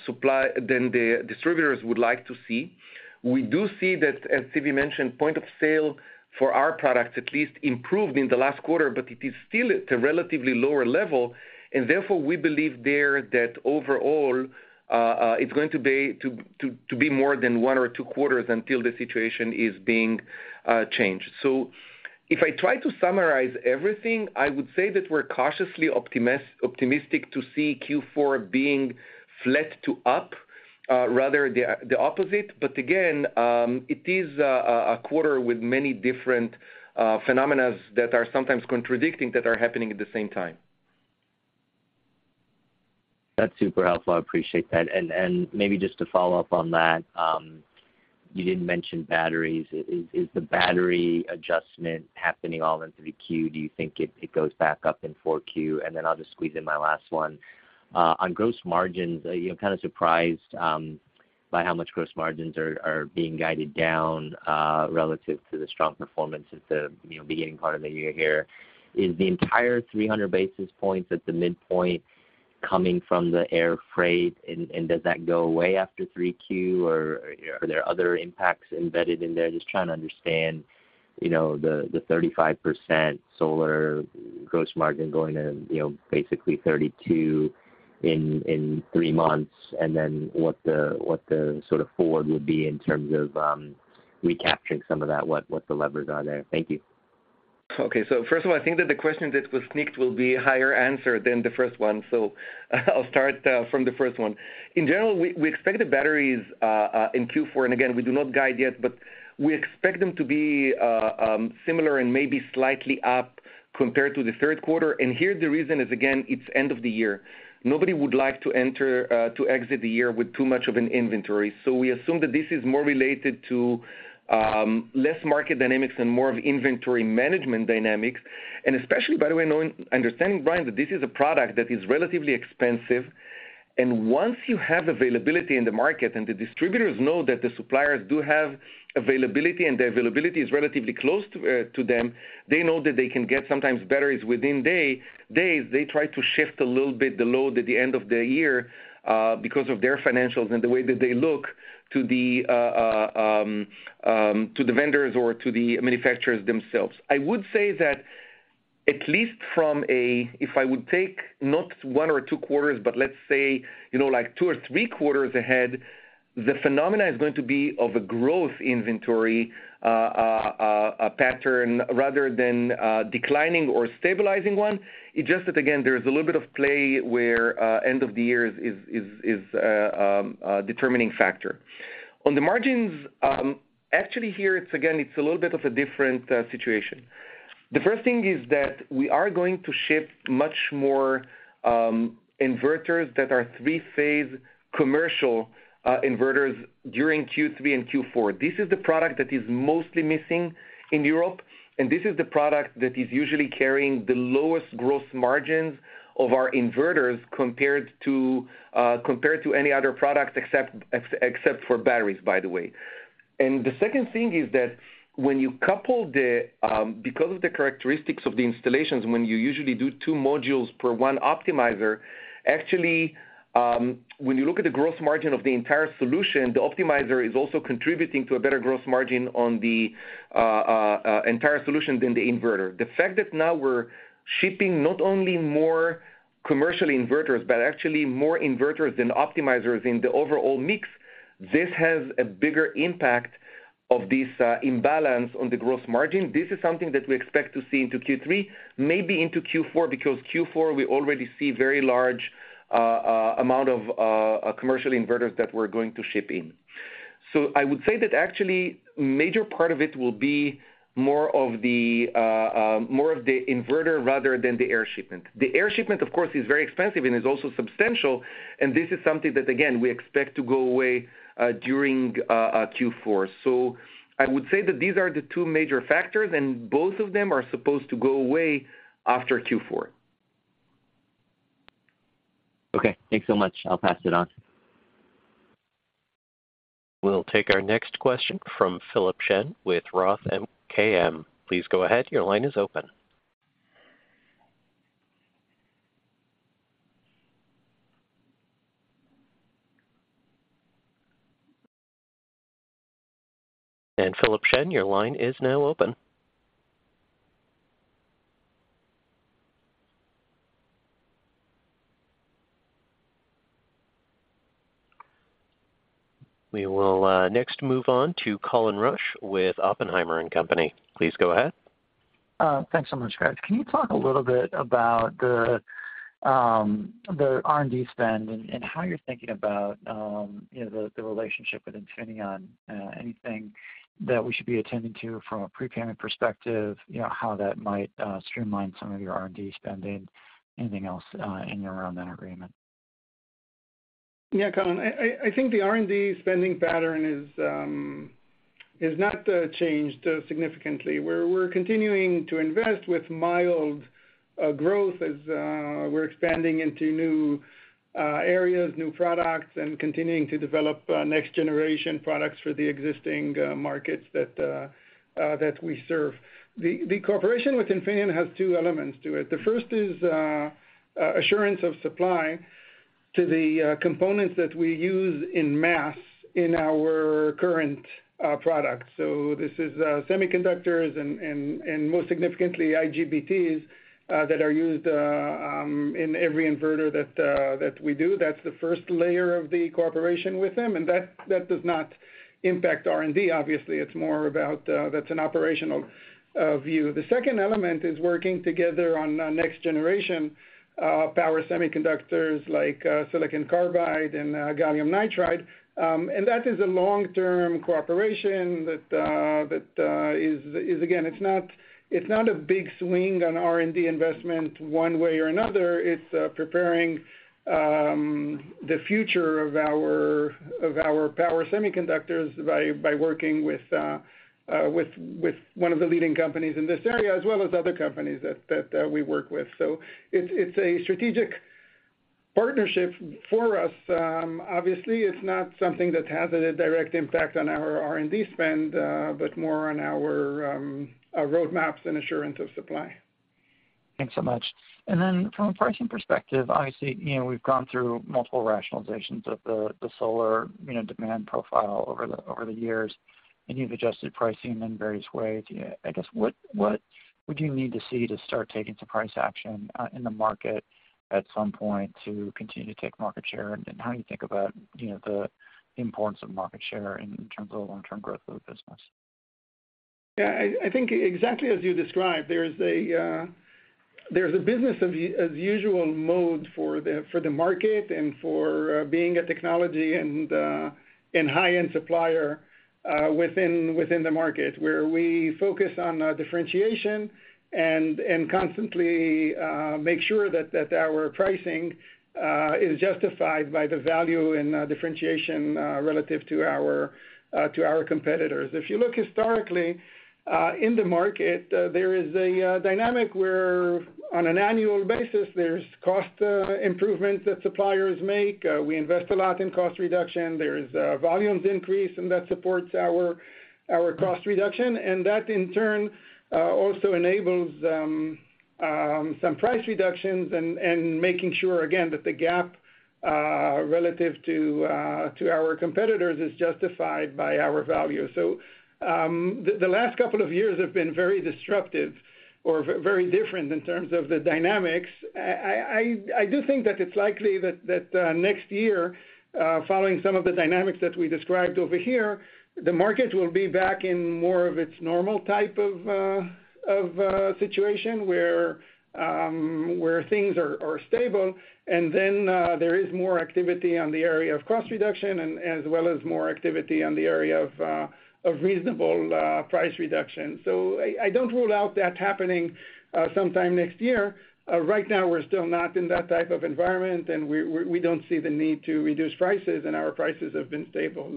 supply than the distributors would like to see. We do see that, as Stevie mentioned, point of sale for our products at least improved in the last quarter, but it is still at a relatively lower level. Therefore, we believe there that overall, it's going to be to be more than 1 or 2 quarters until the situation is being changed. If I try to summarize everything, I would say that we're cautiously optimistic to see Q4 being flat to up, rather the opposite. Again, it is a quarter with many different phenomenas that are sometimes contradicting, that are happening at the same time. That's super helpful. I appreciate that. Maybe just to follow up on that, you didn't mention batteries. Is the battery adjustment happening all in 3Q? Do you think it goes back up in 4Q? Then I'll just squeeze in my last one. On gross margins, you know, kind of surprised by how much gross margins are being guided down relative to the strong performance at the beginning part of the year here. Is the entire 300 basis points at the midpoint coming from the air freight, and does that go away after 3Q, or are there other impacts embedded in there? Just trying to understand, you know, the, the 35% solar gross margin going to, you know, basically 32 in, in 3 months, and then what the, what the sort of forward would be in terms of recapturing some of that, what, what the levers are there? Thank you. Okay. First of all, I think that the question that was sneaked will be higher answer than the first one. I'll start from the first one. In general, we, we expect the batteries in Q4. Again, we do not guide yet, we expect them to be similar and maybe slightly up compared to the Q3. Here, the reason is, again, it's end of the year. Nobody would like to enter-- to exit the year with too much of an inventory. We assume that this is more related to less market dynamics and more of inventory management dynamics. Especially, by the way, knowing, understanding, Brian, that this is a product that is relatively expensive, and once you have availability in the market, and the distributors know that the suppliers do have availability, and the availability is relatively close to them, they know that they can get sometimes batteries within day, days. They try to shift a little bit the load at the end of the year, because of their financials and the way that they look to the vendors or to the manufacturers themselves. I would say that at least from a if I would take not 1 or 2 quarters, but let's say, you know, like 2 or 3 quarters ahead, the phenomena is going to be of a growth inventory, a pattern rather than declining or stabilizing one. It's just that, again, there is a little bit of play where end of the year is, is, is a determining factor. On the margins, actually, here, it's again, it's a little bit of a different situation. The first thing is that we are going to ship much more inverters that are three-phase commercial inverters during Q3 and Q4. This is the product that is mostly missing in Europe, and this is the product that is usually carrying the lowest gross margins of our inverters, compared to, compared to any other product, except, except for batteries, by the way. The second thing is that when you couple Because of the characteristics of the installations, when you usually do 2 modules per 1 optimizer, actually, when you look at the gross margin of the entire solution, the optimizer is also contributing to a better gross margin on the entire solution than the inverter. The fact that now we're.... shipping not only more commercial inverters, but actually more inverters than optimizers in the overall mix, this has a bigger impact of this imbalance on the gross margin. This is something that we expect to see into Q3, maybe into Q4, because Q4 we already see very large amount of commercial inverters that we're going to ship in. I would say that actually major part of it will be more of the more of the inverter rather than the air shipment. The air shipment, of course, is very expensive and is also substantial, and this is something that, again, we expect to go away during Q4. I would say that these are the 2 major factors, and both of them are supposed to go away after Q4. Okay, thanks so much. I'll pass it on. We'll take our next question from Philip Shen with ROTH MKM. Please go ahead. Your line is open. Philip Shen, your line is now open. We will next move on to Colin Rusch with Oppenheimer and Company. Please go ahead. Thanks so much, guys. Can you talk a little bit about the R&D spend and, and how you're thinking about, you know, the, the relationship with Infineon? Anything that we should be attending to from a prepayment perspective, you know, how that might streamline some of your R&D spending? Anything else in or around that agreement? Yeah, Colin, I, I, I think the R&D spending pattern is not changed significantly. We're continuing to invest with mild growth as we're expanding into new areas, new products, and continuing to develop next generation products for the existing markets that we serve. The cooperation with Infineon has two elements to it. The first is assurance of supply to the components that we use in mass in our current products. This is semiconductors and, and, and more significantly, IGBTs that are used in every inverter that we do. That's the first layer of the cooperation with them, and that, that does not impact R&D obviously. It's more about, that's an operational view. The second element is working together on a next generation power semiconductors like silicon carbide and gallium nitride. That is a long-term cooperation that that is, is again, it's not, it's not a big swing on R&D investment one way or another. It's preparing the future of our, of our power semiconductors by by working with with one of the leading companies in this area, as well as other companies that that we work with. It's, it's a strategic partnership for us. Obviously, it's not something that has a direct impact on our R&D spend, but more on our our roadmaps and assurance of supply. Thanks so much. Then from a pricing perspective, obviously, you know, we've gone through multiple rationalizations of the, the solar, you know, demand profile over the, over the years, and you've adjusted pricing in various ways. Yeah, I guess, what, what would you need to see to start taking some price action in the market at some point to continue to take market share? How do you think about, you know, the importance of market share in terms of long-term growth of the business? Yeah, I, I think exactly as you described, there's a business as usual mode for the market and for being a technology and high-end supplier within the market, where we focus on differentiation and constantly make sure that our pricing is justified by the value and differentiation relative to our competitors. If you look historically in the market, there is a dynamic where on an annual basis, there's cost improvements that suppliers make. We invest a lot in cost reduction. There is a volumes increase, that supports our, our cost reduction, that, in turn, also enables some price reductions and making sure again, that the gap relative to our competitors is justified by our value. The last couple of years have been very disruptive or very different in terms of the dynamics. I do think that it's likely that next year, following some of the dynamics that we described over here, the market will be back in more of its normal type of situation, where things are stable, there is more activity on the area of cost reduction and as well as more activity on the area of reasonable price reduction. I, I don't rule out that happening sometime next year. Right now, we're still not in that type of environment, and we, we, we don't see the need to reduce prices, and our prices have been stable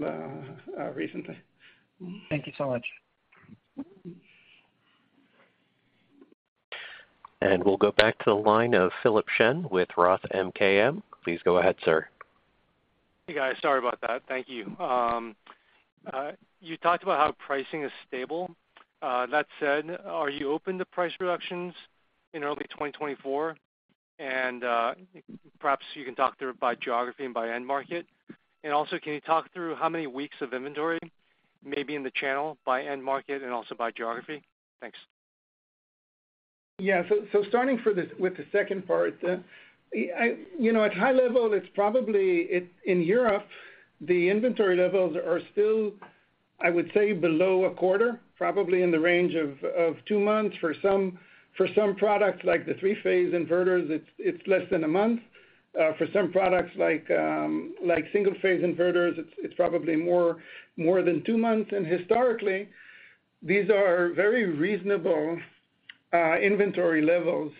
recently. Thank you so much. We'll go back to the line of Philip Shen with ROTH MKM. Please go ahead, sir. Hey, guys. Sorry about that. Thank you. You talked about how pricing is stable. That said, are you open to price reductions in early 2024?... and, perhaps you can talk through by geography and by end market. Also, can you talk through how many weeks of inventory maybe in the channel by end market and also by geography? Thanks. Starting for the, with the second part, you know, at high level, it's probably in Europe, the inventory levels are still, I would say, below a quarter, probably in the range of 2 months. For some products, like the three-phase inverters, it's less than 1 month. For some products like single-phase inverters, it's probably more than 2 months. Historically, these are very reasonable inventory levels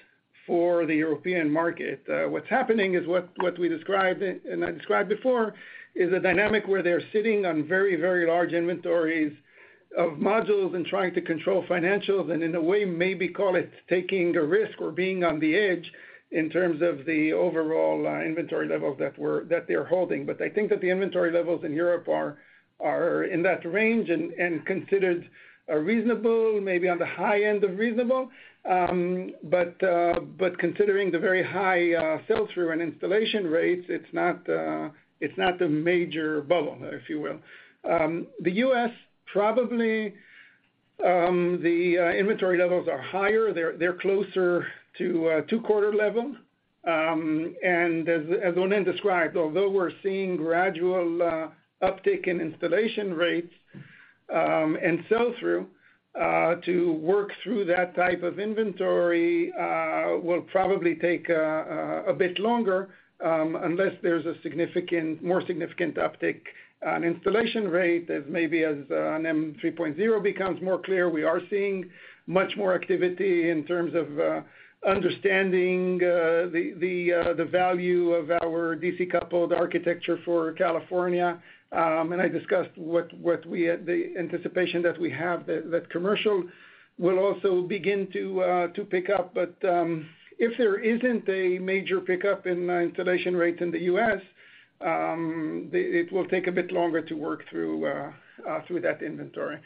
for the European market. What's happening is what we described, and I described before, is a dynamic where they're sitting on very, very large inventories of modules and trying to control financials, and in a way, maybe call it taking a risk or being on the edge in terms of the overall inventory levels that they're holding. I think that the inventory levels in Europe are, are in that range and, and considered reasonable, maybe on the high end of reasonable. Considering the very high sell-through and installation rates, it's not, it's not the major bubble, if you will. The U.S. probably, the inventory levels are higher. They're, they're closer to a Q2 level. As, as Ronen described, although we're seeing gradual uptick in installation rates and sell-through to work through that type of inventory will probably take a bit longer, unless there's a significant- more significant uptick on installation rate as maybe as NEM 3.0 becomes more clear. We are seeing much more activity in terms of understanding the, the, the value of our DC-coupled architecture for California. I discussed what, what we had -- the anticipation that we have, that, that commercial will also begin to pick up. If there isn't a major pickup in installation rates in the US, it will take a bit longer to work through through that inventory.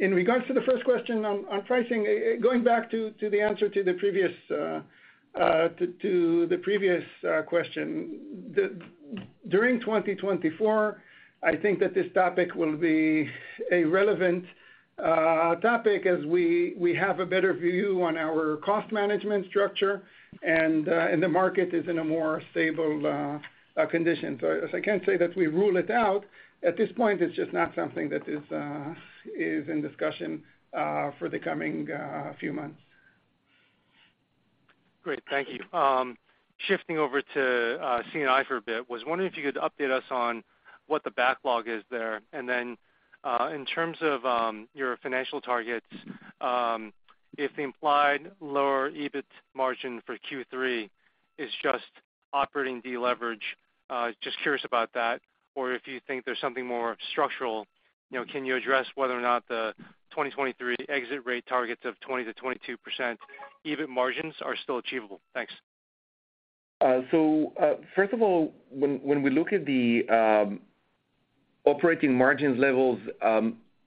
In regards to the first question on, on pricing, going back to, to the answer to the previous, to, to the previous question. During 2024, I think that this topic will be a relevant topic as we, we have a better view on our cost management structure, the market is in a more stable condition. As I can't say that we rule it out, at this point, it's just not something that is in discussion for the coming few months. Great, thank you. Shifting over to C&I for a bit, was wondering if you could update us on what the backlog is there? In terms of your financial targets, if the implied lower EBIT margin for Q3 is just operating deleverage, just curious about that, or if you think there's something more structural. You know, can you address whether or not the 2023 exit rate targets of 20 to 22% EBIT margins are still achievable? Thanks. First of all, when, when we look at the operating margins levels,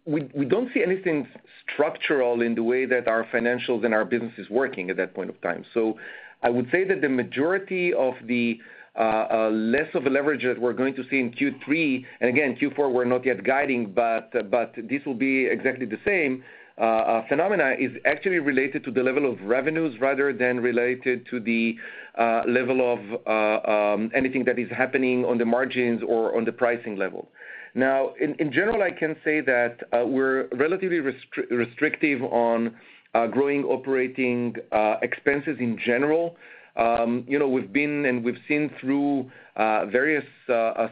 we, we don't see anything structural in the way that our financials and our business is working at that point of time. I would say that the majority of the less of a leverage that we're going to see in Q3, and again, Q4, we're not yet guiding, but, but this will be exactly the same phenomena, is actually related to the level of revenues rather than related to the level of anything that is happening on the margins or on the pricing level. Now, in general, I can say that we're relatively restrictive on growing operating expenses in general. You know, we've been and we've seen through various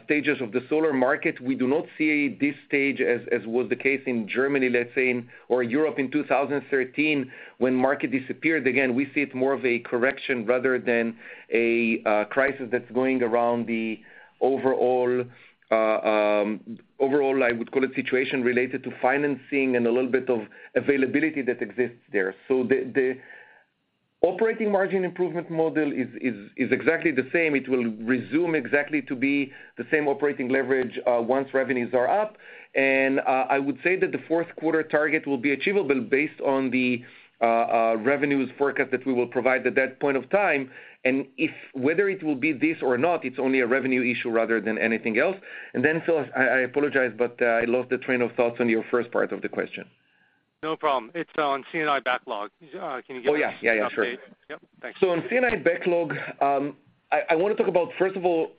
stages of the solar market. We do not see this stage as, as was the case in Germany, let's say, in or Europe in 2013, when market disappeared. Again, we see it more of a correction rather than a crisis that's going around the overall, overall, I would call it, situation related to financing and a little bit of availability that exists there. The, the operating margin improvement model is, is, is exactly the same. It will resume exactly to be the same operating leverage once revenues are up. I would say that the Q4 target will be achievable based on the revenues forecast that we will provide at that point of time. If, whether it will be this or not, it's only a revenue issue rather than anything else. Then, Philip Shen, I, I apologize, but, I lost the train of thoughts on your first part of the question. No problem. It's on C&I backlog. can you give us- Oh, yeah. an update? Yeah, yeah, sure. Yep, thanks. On C&I backlog, I want to talk about, first of all,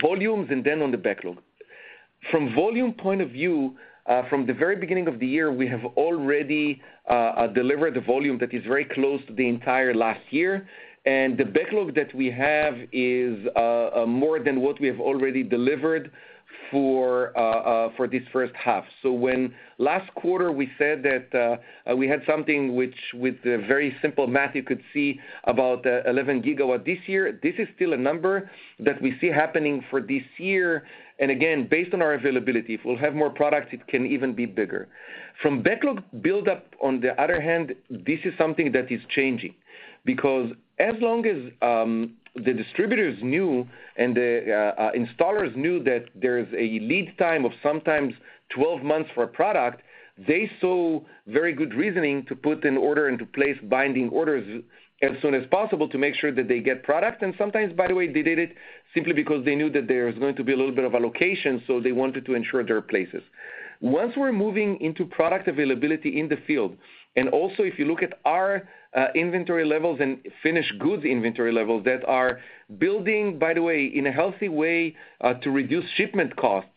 volumes and then on the backlog. From volume point of view, from the very beginning of the year, we have already delivered the volume that is very close to the entire last year, and the backlog that we have is more than what we have already delivered for this first half. When last quarter we said that we had something which with a very simple math, you could see about 11 gigawatt this year, this is still a number that we see happening for this year, and again, based on our availability. If we'll have more products, it can even be bigger. From backlog buildup on the other hand, this is something that is changing. Because as long as, the distributors knew and the installers knew that there's a lead time of sometimes 12 months for a product, they saw very good reasoning to put an order into place, binding orders, as soon as possible to make sure that they get product. Sometimes, by the way, they did it simply because they knew that there was going to be a little bit of allocation, so they wanted to ensure their places. Once we're moving into product availability in the field, and also if you look at our inventory levels and finished goods inventory levels that are building, by the way, in a healthy way, to reduce shipment costs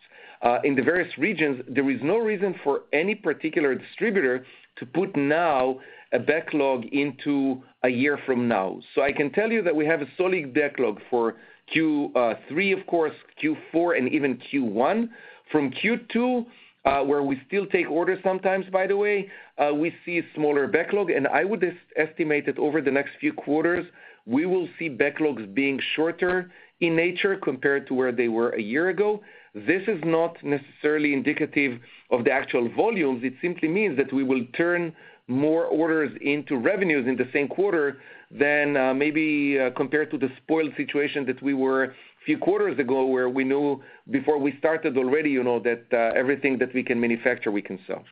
in the various regions, there is no reason for any particular distributor to put now a backlog into a year from now. I can tell you that we have a solid backlog for Q3, of course, Q4, and even Q1. From Q2, where we still take orders sometimes, by the way, we see a smaller backlog, and I would estimate that over the next few quarters, we will see backlogs being shorter in nature compared to where they were 1 year ago. This is not necessarily indicative of the actual volumes. It simply means that we will turn more orders into revenues in the same quarter than, maybe, compared to the spoiled situation that we were a few quarters ago, where we knew before we started already, you know, that everything that we can manufacture, we can sell.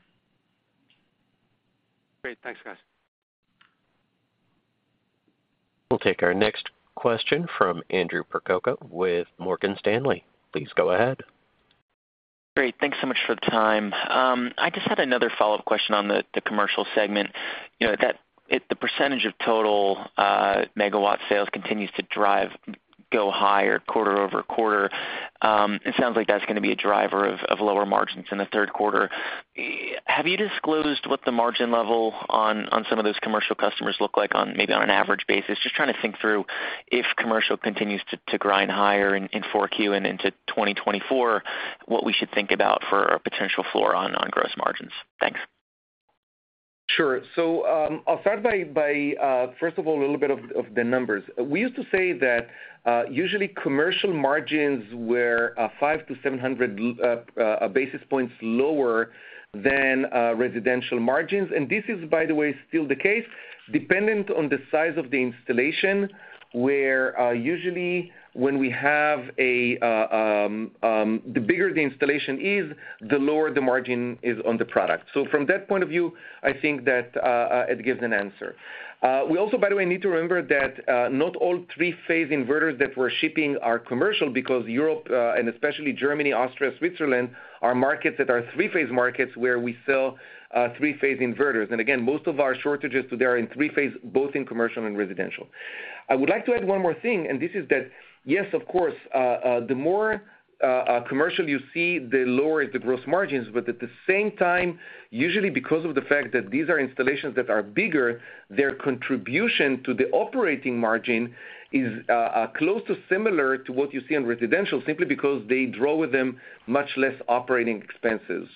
Great. Thanks, guys. We'll take our next question from Andrew Percoco with Morgan Stanley. Please go ahead. Great. Thanks so much for the time. I just had another follow-up question on the commercial segment. You know, that, if the percent of total megawatt sales continues to drive, go higher quarter-over-quarter, it sounds like that's gonna be a driver of lower margins in the Q3. Have you disclosed what the margin level on some of those commercial customers look like on, maybe on an average basis? Just trying to think through if commercial continues to grind higher in 4Q and into 2024, what we should think about for a potential floor on gross margins. Thanks. Sure. I'll start by, by first of all, a little bit of, of the numbers. We used to say that usually commercial margins were 500-700 basis points lower than residential margins. This is, by the way, still the case, dependent on the size of the installation, where usually when we have a, the bigger the installation is, the lower the margin is on the product. From that point of view, I think that it gives an answer. We also, by the way, need to remember that not all three-phase inverters that we're shipping are commercial because Europe, and especially Germany, Austria, Switzerland, are markets that are three-phase markets, where we sell three-phase inverters. Again, most of our shortages today are in three-phase, both in commercial and residential. I would like to add one more thing, and this is that, yes, of course, the more commercial you see, the lower the gross margins, but at the same time, usually because of the fact that these are installations that are bigger, their contribution to the operating margin is close to similar to what you see in residential, simply because they draw with them much less operating expenses.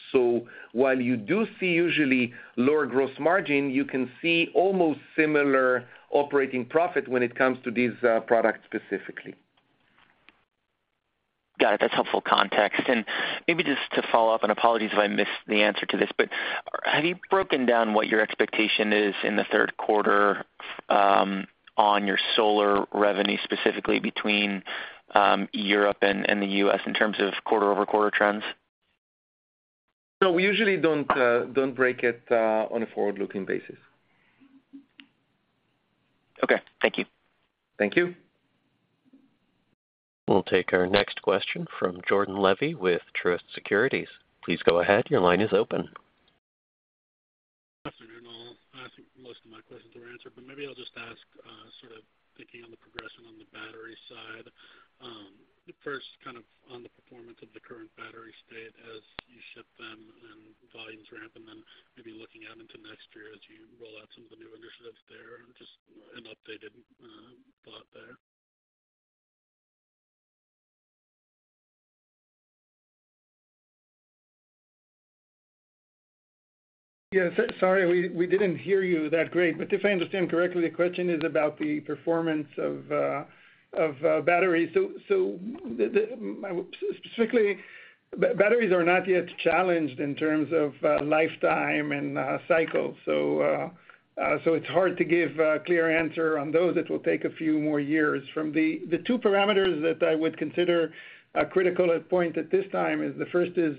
While you do see usually lower gross margin, you can see almost similar operating profit when it comes to these products specifically. Got it. That's helpful context. Maybe just to follow up, and apologies if I missed the answer to this, but have you broken down what your expectation is in the Q3, on your solar revenue, specifically between Europe and, and the US in terms of quarter-over-quarter trends? No, we usually don't, don't break it, on a forward-looking basis. Okay, thank you. Thank you. We'll take our next question from Jordan Levy with Truist Securities. Please go ahead. Your line is open. Good afternoon. I think most of my questions were answered, but maybe I'll just ask, sort of thinking on the progression on the battery side. First, kind of on the performance of the current battery state as you ship them and volumes ramp, and then maybe looking out into next year as you roll out some of the new initiatives there, and just an updated, thought there. Yeah, so sorry, we didn't hear you that great. If I understand correctly, the question is about the performance of batteries. Specifically, batteries are not yet challenged in terms of lifetime and cycles. It's hard to give a clear answer on those. It will take a few more years. From the two parameters that I would consider critical at point at this time is, the first is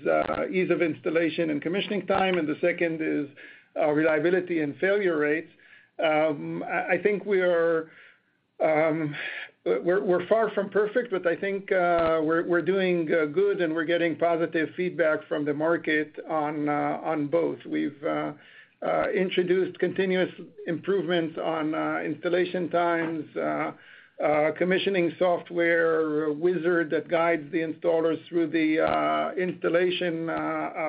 ease of installation and commissioning time, and the second is reliability and failure rates. I think we are, we're far from perfect, but I think we're doing good, and we're getting positive feedback from the market on both. We've introduced continuous improvements on installation times, commissioning software, a wizard that guides the installers through the installation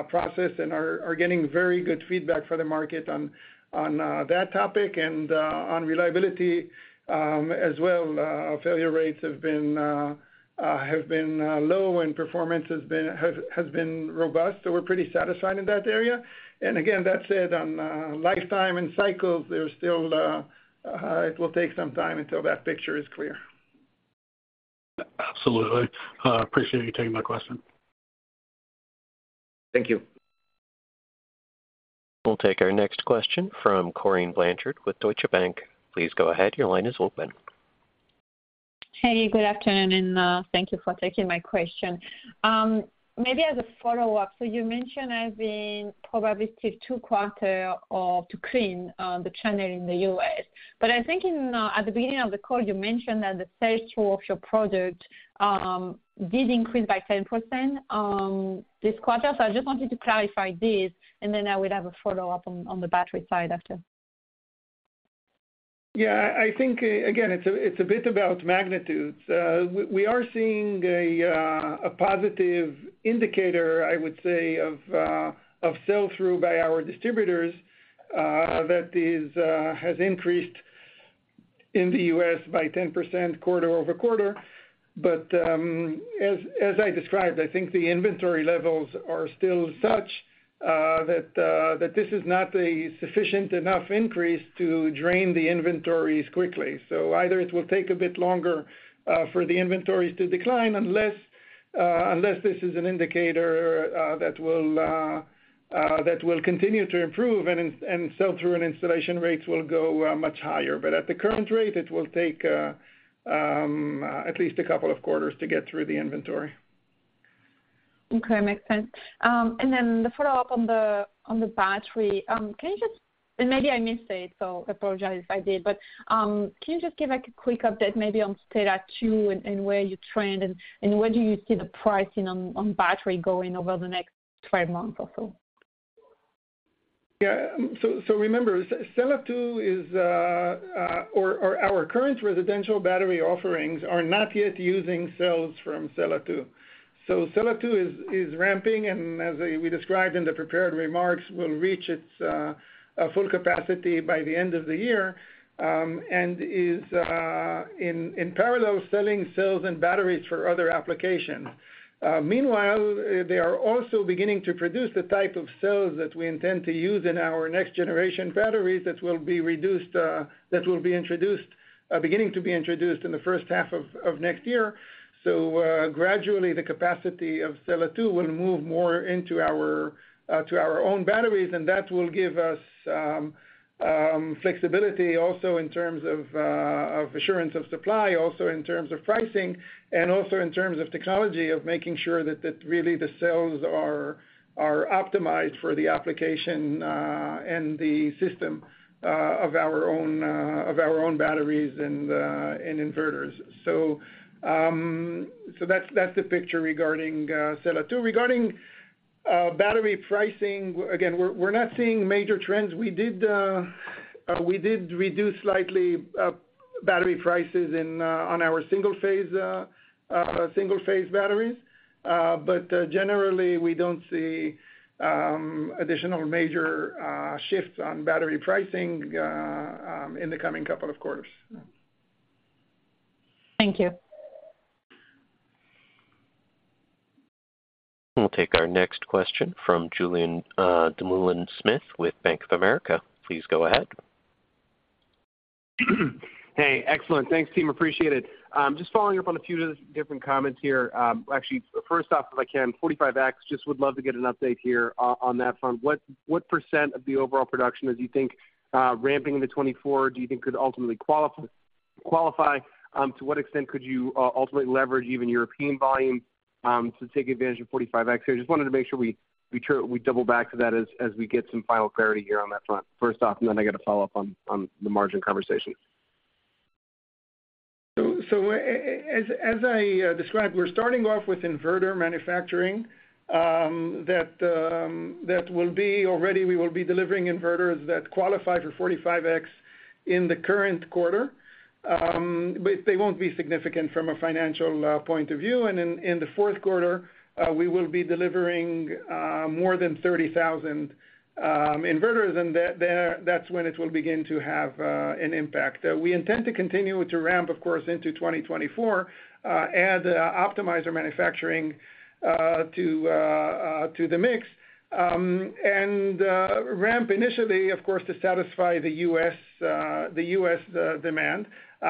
process, and are getting very good feedback for the market on that topic. On reliability as well, our failure rates have been low and performance has been robust, so we're pretty satisfied in that area. Again, that said, on lifetime and cycles, there's still it will take some time until that picture is clear. Absolutely. Appreciate you taking my question. Thank you. We'll take our next question from Corinne Blanchard with Deutsche Bank. Please go ahead. Your line is open. Hey, good afternoon, and thank you for taking my question. Maybe as a follow-up, you mentioned having probably take Q2 or to clean the channel in the U.S. I think in at the beginning of the call, you mentioned that the sales through of your product did increase by 10% this quarter. I just wanted to clarify this, and then I would have a follow-up on, on the battery side after. Yeah, I think, again, it's a, it's a bit about magnitudes. We are seeing a positive indicator, I would say, of sell-through by our distributors, that has increased in the U.S. by 10% quarter-over-quarter. As I described, I think the inventory levels are still such that this is not a sufficient enough increase to drain the inventories quickly. Either it will take a bit longer for the inventories to decline, unless this is an indicator that will continue to improve and sell-through and installation rates will go much higher. At the current rate, it will take at least a couple of quarters to get through the inventory. Okay, makes sense. Then the follow-up on the battery. Maybe I missed it, so I apologize if I did, but, can you just give a quick update maybe on Sella 2 and where you trend and where do you see the pricing on battery going over the next 12 months or so? Remember, Sella 2 is, or our current residential battery offerings are not yet using cells from Sella 2. Sella 2 is, is ramping, and as we described in the prepared remarks, will reach its full capacity by the end of the year, and is in parallel, selling cells and batteries for other applications. Meanwhile, they are also beginning to produce the type of cells that we intend to use in our next generation batteries that will be reduced, that will be introduced, beginning to be introduced in the first half of next year. Gradually, the capacity of Sella 2 will move more into our to our own batteries, and that will give us flexibility also in terms of assurance of supply, also in terms of pricing, and also in terms of technology, of making sure that, that really the cells are optimized for the application and the system of our own of our own batteries and inverters. That's, that's the picture regarding Sella 2. Regarding battery pricing, again, we're, we're not seeing major trends. We did, we did reduce slightly battery prices in on our single-phase single-phase batteries. Generally, we don't see additional major shifts on battery pricing in the coming couple of quarters. Thank you. We'll take our next question from Julian Dumoulin-Smith with Bank of America. Please go ahead. Hey, excellent. Thanks, team, appreciate it. Just following up on a few different comments here. Actually, first off, if I can, Section 45X, just would love to get an update here on that front. What, what percent of the overall production do you think, ramping into 2024, do you think could ultimately qualify? To what extent could you ultimately leverage even European volume to take advantage of Section 45X? I just wanted to make sure we double back to that as we get some final clarity here on that front, first off, and then I get a follow-up on the margin conversation. As I described, we're starting off with inverter manufacturing that will be. Already we will be delivering inverters that qualify for Section 45X in the current quarter. But they won't be significant from a financial point of view. In the Q4, we will be delivering more than 30,000 inverters, and that's when it will begin to have an impact. We intend to continue to ramp, of course, into 2024, add optimizer manufacturing to the mix, and ramp initially, of course, to satisfy the U.S. the U.S. demand. t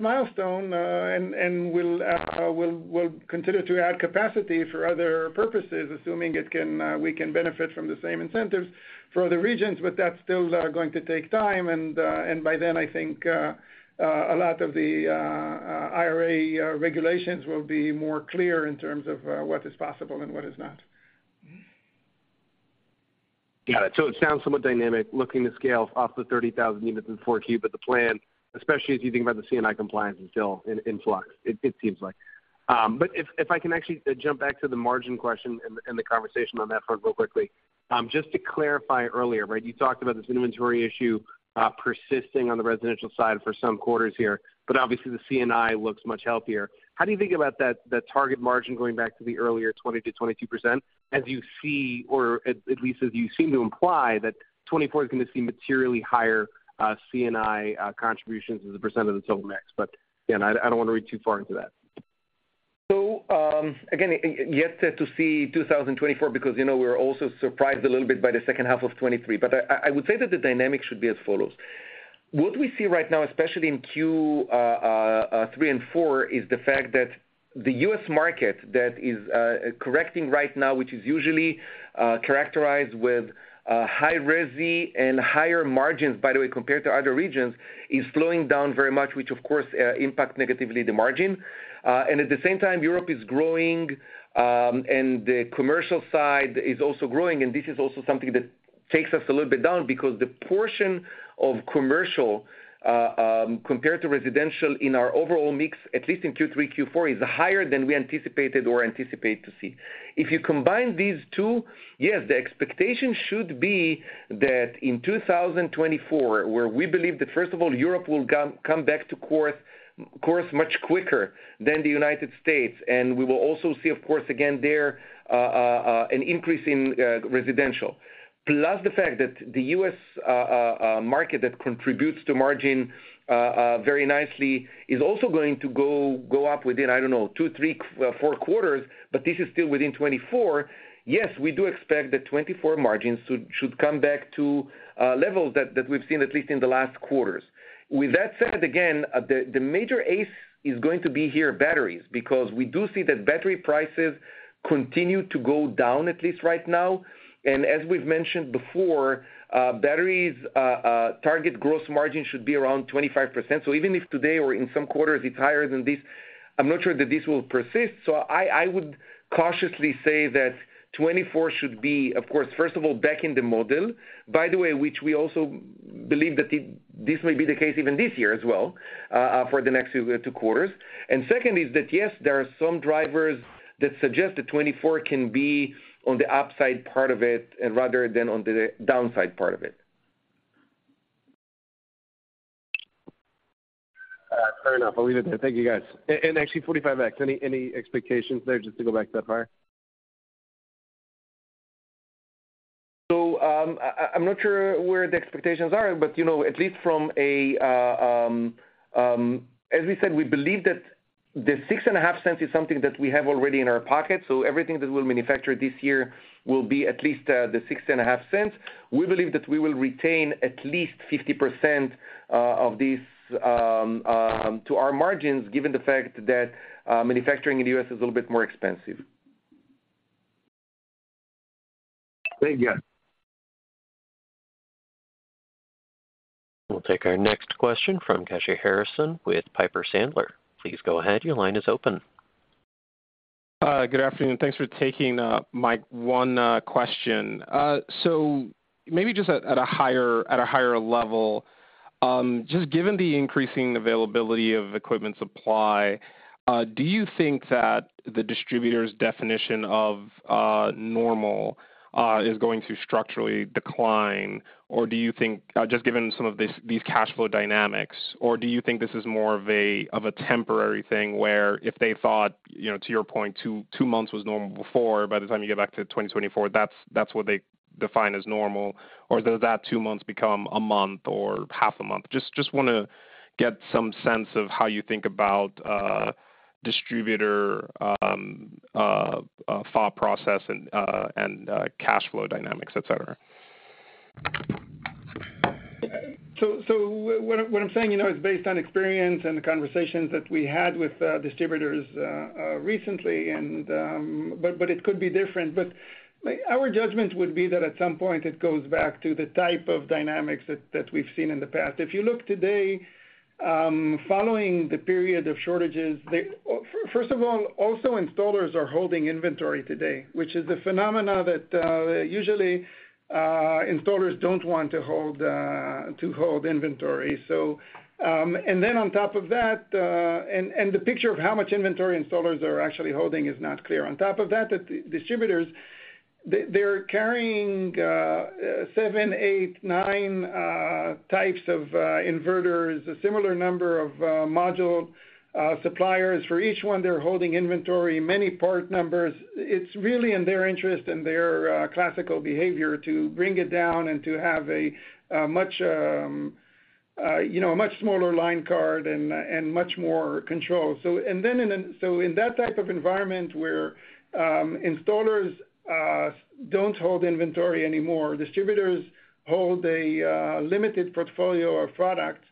milestone, we'll continue to add capacity for other purposes, assuming we can benefit from the same incentives for other regions. But that's still going to take time, and by then, I think a lot of the IRA regulations will be more clear in terms of what is possible and what is not Got it. It sounds somewhat dynamic, looking to scale off the 30,000 units in 4Q. The plan, especially as you think about the C&I compliance, is still in, in flux, it, it seems like. If, if I can actually jump back to the margin question and, and the conversation on that front real quickly. Just to clarify earlier, right, you talked about this inventory issue persisting on the residential side for some quarters here, but obviously the C&I looks much healthier. How do you think about that, the target margin going back to the earlier 20 to 22%? As you see, or at, at least as you seem to imply, that 2024 is going to see materially higher C&I contributions as a percent of the total mix. Again, I, I don't want to read too far into that. Again, yet to see 2024, because, you know, we're also surprised a little bit by the second half of 2023. I would say that the dynamic should be as follows: What we see right now, especially in Q3 and Q4, is the fact that the U.S. market that is correcting right now, which is usually characterized with high resi and higher margins, by the way, compared to other regions, is slowing down very much, which of course, impact negatively the margin. At the same time, Europe is growing, and the commercial side is also growing, and this is also something that takes us a little bit down, because the portion of commercial-... compared to residential in our overall mix, at least in Q3, Q4, is higher than we anticipated or anticipate to see. If you combine these two, yes, the expectation should be that in 2024, where we believe that first of all, Europe will come back to course much quicker than the United States, and we will also see, of course, again there an increase in residential. Plus, the fact that the U.S. market that contributes to margin very nicely is also going to go up within, I don't know, 2, 3, 4 quarters, but this is still within 2024. Yes, we do expect that 2024 margins should come back to levels that we've seen at least in the last quarters. With that said, again, the, the major ace is going to be here batteries, because we do see that battery prices continue to go down, at least right now. As we've mentioned before, batteries, target gross margin should be around 25%. Even if today or in some quarters it's higher than this, I'm not sure that this will persist. I, I would cautiously say that 2024 should be, of course, first of all, back in the model, by the way, which we also believe that this may be the case even this year as well, for the next two quarters. Second is that, yes, there are some drivers that suggest that 2024 can be on the upside part of it, rather than on the downside part of it. Fair enough. I'll leave it there. Thank you, guys. Actually Section 45X, any, any expectations there, just to go back that far? I, I'm not sure where the expectations are, but, you know, at least from a, as we said, we believe that the $0.065 is something that we have already in our pocket, so everything that we'll manufacture this year will be at least the $0.065. We believe that we will retain at least 50% of these to our margins, given the fact that manufacturing in the U.S. is a little bit more expensive. Thank you. We'll take our next question from Kashy Harrison with Piper Sandler. Please go ahead, your line is open. Good afternoon, thanks for taking my 1 question. Maybe just at a higher, at a higher level, just given the increasing availability of equipment supply, do you think that the distributor's definition of normal is going to structurally decline? Do you think, just given some of these cash flow dynamics, or do you think this is more of a temporary thing, where if they thought, you know, to your point, 2 months was normal before, by the time you get back to 2024, that's what they define as normal, or does that 2 months become a month or half a month? Just want to get some sense of how you think about distributor thought process and cash flow dynamics, et cetera. What I'm, what I'm saying, you know, is based on experience and the conversations that we had with distributors recently, but it could be different. Our judgment would be that at some point it goes back to the type of dynamics that, that we've seen in the past. If you look today, first of all, also installers are holding inventory today, which is a phenomena that usually installers don't want to hold to hold inventory. And then on top of that, the picture of how much inventory installers are actually holding is not clear. On top of that, the distributors, they're carrying 7, 8, 9 types of inverters, a similar number of module suppliers. For each one, they're holding inventory, many part numbers. It's really in their interest and their classical behavior to bring it down and to have a, you know, a much smaller line card and much more control. In that type of environment where installers don't hold inventory anymore, distributors hold a limited portfolio of products,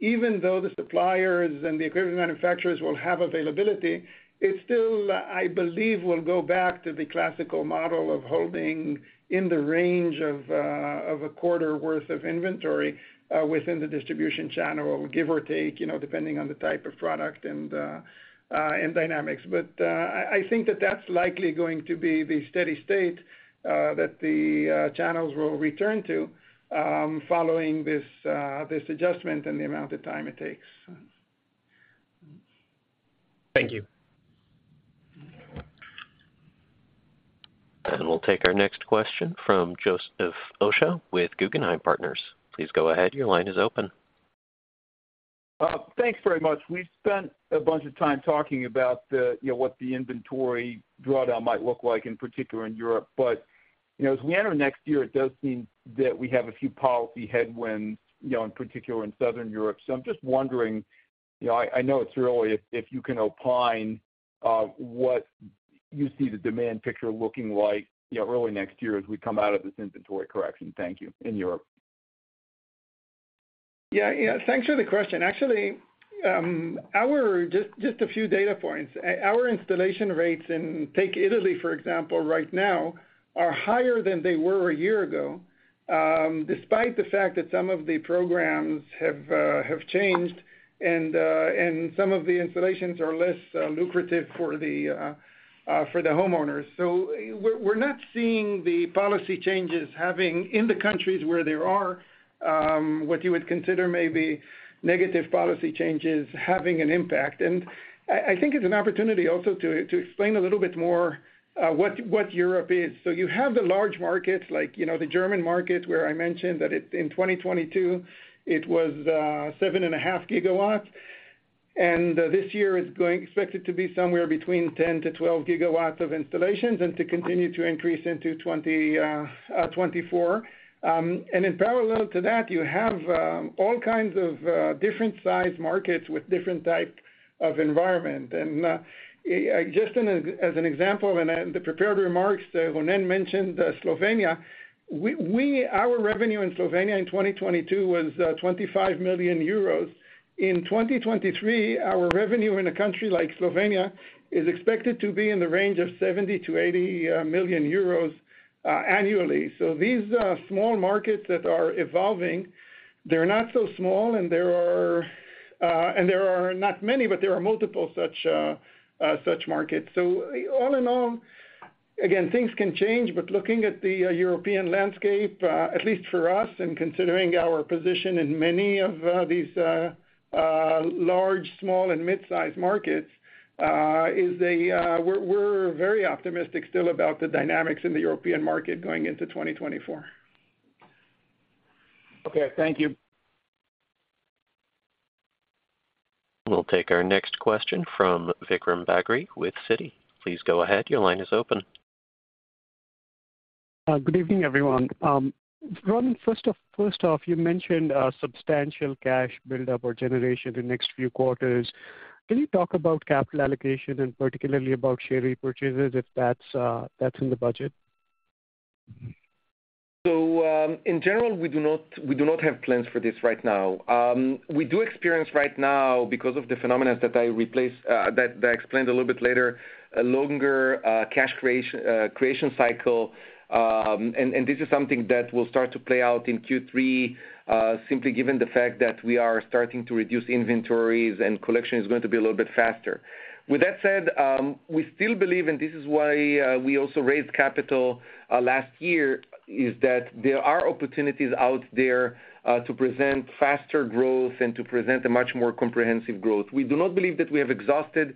even though the suppliers and the equipment manufacturers will have availability, it still, I believe, will go back to the classical model of holding in the range of a quarter worth of inventory within the distribution channel, give or take, you know, depending on the type of product and dynamics. I, I think that that's likely going to be the steady state that the channels will return to, following this adjustment and the amount of time it takes. Thank you. We'll take our next question from Joseph Osha with Guggenheim Partners. Please go ahead, your line is open. Thanks very much. We've spent a bunch of time talking about the, you know, what the inventory drawdown might look like, in particular in Europe. You know, as we enter next year, it does seem that we have a few policy headwinds, you know, in particular in Southern Europe. I'm just wondering, you know, I, I know it's early, if, if you can opine, what you see the demand picture looking like, you know, early next year as we come out of this inventory correction. Thank you. In Europe. Yeah. Yeah, thanks for the question. Actually, just a few data points. Our installation rates in, take Italy, for example, right now, are higher than they were a year ago, despite the fact that some of the programs have changed. Some of the installations are less lucrative for the homeowners. We're, we're not seeing the policy changes having, in the countries where there are, what you would consider maybe negative policy changes, having an impact. I, I think it's an opportunity also to explain a little bit more what, what Europe is. You have the large markets like, you know, the German market, where I mentioned that it, in 2022, it was 7.5 GW, and this year is expected to be somewhere between 10-12 GW of installations and to continue to increase into 2024. In parallel to that, you have all kinds of different size markets with different type of environment. Just in a, as an example, in the prepared remarks, Ronen mentioned Slovenia. Our revenue in Slovenia in 2022 was 25 million euros. In 2023, our revenue in a country like Slovenia is expected to be in the range of 70 million-80 million euros annually. These are small markets that are evolving. They're not so small, and there are, and there are not many, but there are multiple such, such markets. All in all, again, things can change, but looking at the European landscape, at least for us, and considering our position in many of these large, small, and mid-sized markets. We're, we're very optimistic still about the dynamics in the European market going into 2024. Okay, thank you. We'll take our next question from Vikram Bagri with Citi. Please go ahead. Your line is open. Good evening, everyone. Ronen, first off, first off, you mentioned substantial cash buildup or generation in the next few quarters. Can you talk about capital allocation and particularly about share repurchases, if that's, that's in the budget? In general, we do not, we do not have plans for this right now. We do experience right now, because of the phenomenon that I replaced, that I explained a little bit later, a longer cash creation cycle. This is something that will start to play out in Q3, simply given the fact that we are starting to reduce inventories and collection is going to be a little bit faster. With that said, we still believe, and this is why, we also raised capital, last year, is that there are opportunities out there, to present faster growth and to present a much more comprehensive growth. We do not believe that we have exhausted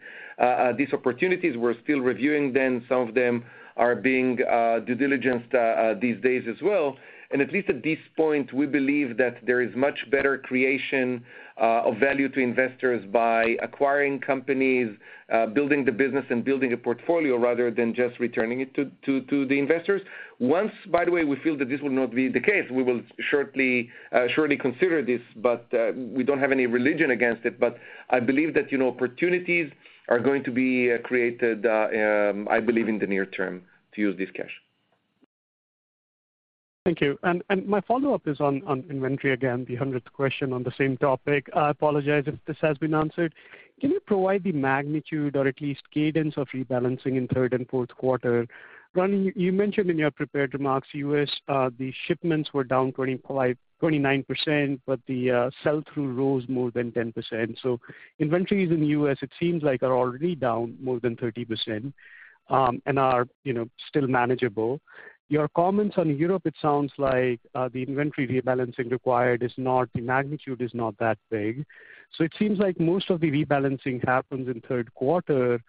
these opportunities. We're still reviewing them. Some of them are being due diligenced these days as well. At least at this point, we believe that there is much better creation of value to investors by acquiring companies, building the business and building a portfolio rather than just returning it to the investors. Once, by the way, we feel that this will not be the case, we will shortly, shortly consider this, but we don't have any religion against it. I believe that, you know, opportunities are going to be created, I believe in the near term to use this cash. Thank you. My follow-up is on, on inventory again, the 100th question on the same topic. I apologize if this has been answered. Can you provide the magnitude or at least cadence of rebalancing in Q3 and Q4? Ronen, you mentioned in your prepared remarks, U.S., the shipments were down 25 to 29%, but the sell-through rose more than 10%. Inventories in the U.S., it seems like, are already down more than 30%, and are, you know, still manageable. Your comments on Europe, it sounds like, the inventory rebalancing required is not, the magnitude is not that big. It seems like most of the rebalancing happens in Q3.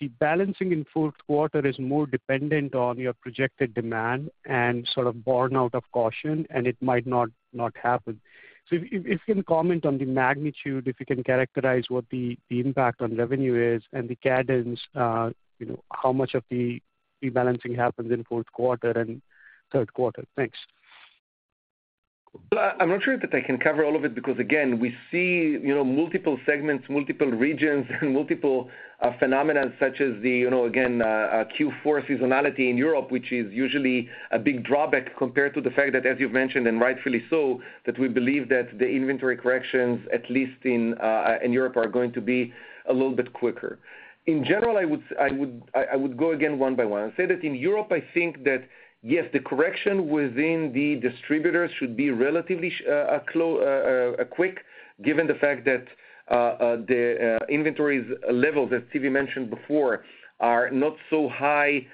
The balancing in Q4 is more dependent on your projected demand and sort of born out of caution, and it might not, not happen. If, if, if you can comment on the magnitude, if you can characterize what the, the impact on revenue is and the cadence, you know, how much of the rebalancing happens in Q4 and Q3? Thanks. Well, I, I'm not sure that I can cover all of it because again, we see, you know, multiple segments, multiple regions, and multiple phenomena, such as the, you know, again, a Q4 seasonality in Europe, which is usually a big drawback compared to the fact that, as you've mentioned, and rightfully so, that we believe that the inventory corrections, at least in, in Europe, are going to be a little bit quicker. In general, I would, I would go again one by one and say that in Europe, I think that, yes, the correction within the distributors should be relatively quick, given the fact that the inventories level, that Tsvi mentioned before, are not so high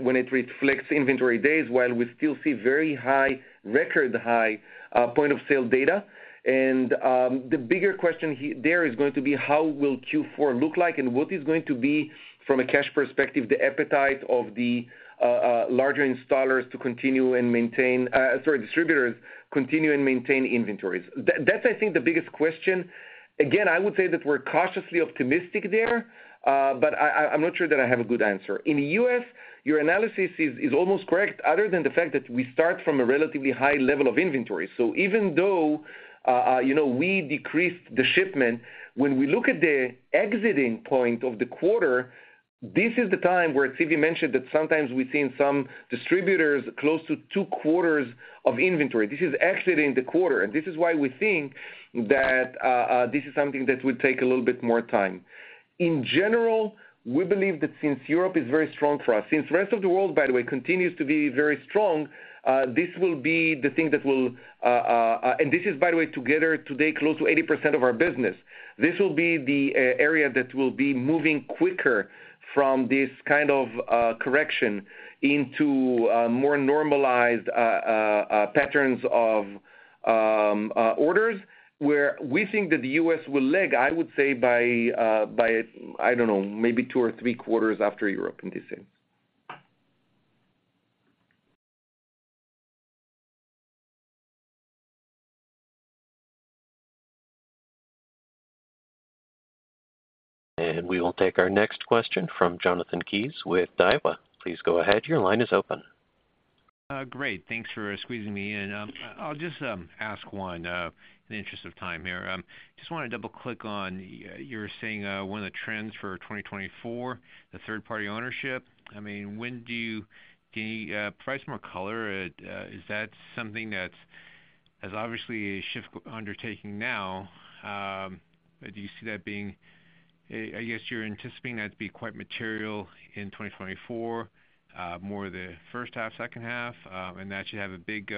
when it reflects inventory days, while we still see very high, record-high, point of sale data. The bigger question there is going to be: How will Q4 look like? What is going to be, from a cash perspective, the appetite of the larger installers to continue and maintain, sorry, distributors, continue and maintain inventories? That, that's, I think, the biggest question. Again, I would say that we're cautiously optimistic there, but I, I, I'm not sure that I have a good answer. In the U.S., your analysis is, is almost correct, other than the fact that we start from a relatively high level of inventory. Even though, you know, we decreased the shipment, when we look at the exiting point of the quarter, this is the time where Zvi mentioned that sometimes we've seen some distributors close to two quarters of inventory. This is exiting the quarter, this is why we think that this is something that will take a little bit more time. In general, we believe that since Europe is very strong for us, since the rest of the world, by the way, continues to be very strong, this will be the thing that will, and this is, by the way, together today, close to 80% of our business. This will be the area that will be moving quicker from this kind of correction into more normalized patterns of orders, where we think that the US will lag, I would say by, by, I don't know, maybe 2 or 3 quarters after Europe in this sense. We will take our next question from Jonathan Kees with Daiwa. Please go ahead. Your line is open. Great. Thanks for squeezing me in. I'll just ask one in the interest of time here. Just wanna double-click on, you're saying, one of the trends for 2024, the third-party ownership. I mean, when can you provide some more color? Is that something that has obviously a shift undertaking now? Do you see that being... I guess you're anticipating that to be quite material in 2024, more the first half, second half, and that should have a big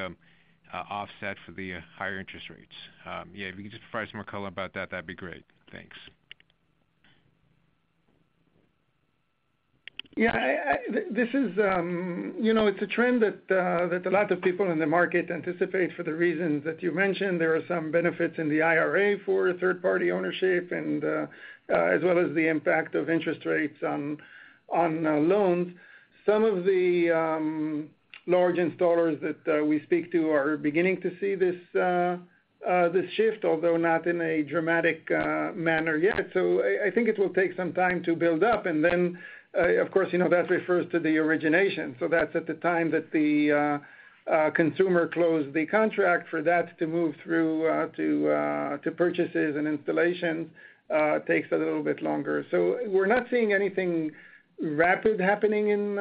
offset for the higher interest rates. Yeah, if you could just provide some more color about that, that'd be great. Thanks. Yeah, I, I, this is, you know, it's a trend that a lot of people in the market anticipate for the reasons that you mentioned. There are some benefits in the IRA for third-party ownership and as well as the impact of interest rates on, on, loans. Some of the large installers that we speak to are beginning to see this shift, although not in a dramatic manner yet. I, I think it will take some time to build up. Of course, you know, that refers to the origination. That's at the time that the consumer closed the contract for that to move through to purchases and installation takes a little bit longer. We're not seeing anything rapid happening in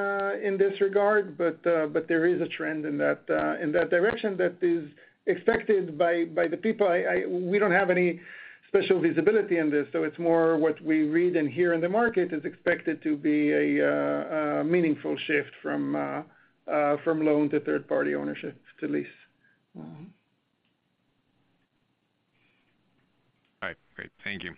this regard, but there is a trend in that direction that is expected by the people. We don't have any special visibility in this, so it's more what we read and hear in the market, is expected to be a meaningful shift from loan to third-party ownership to lease. All right, great. Thank you.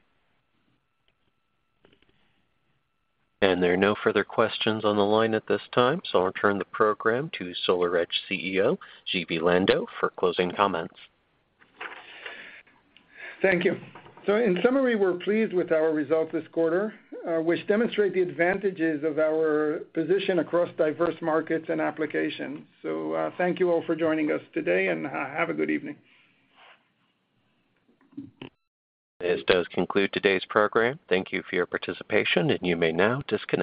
There are no further questions on the line at this time, so I'll return the program to SolarEdge CEO, Zvi Lando, for closing comments. Thank you. In summary, we're pleased with our results this quarter, which demonstrate the advantages of our position across diverse markets and applications. Thank you all for joining us today, and have a good evening. This does conclude today's program. Thank you for your participation, and you may now disconnect.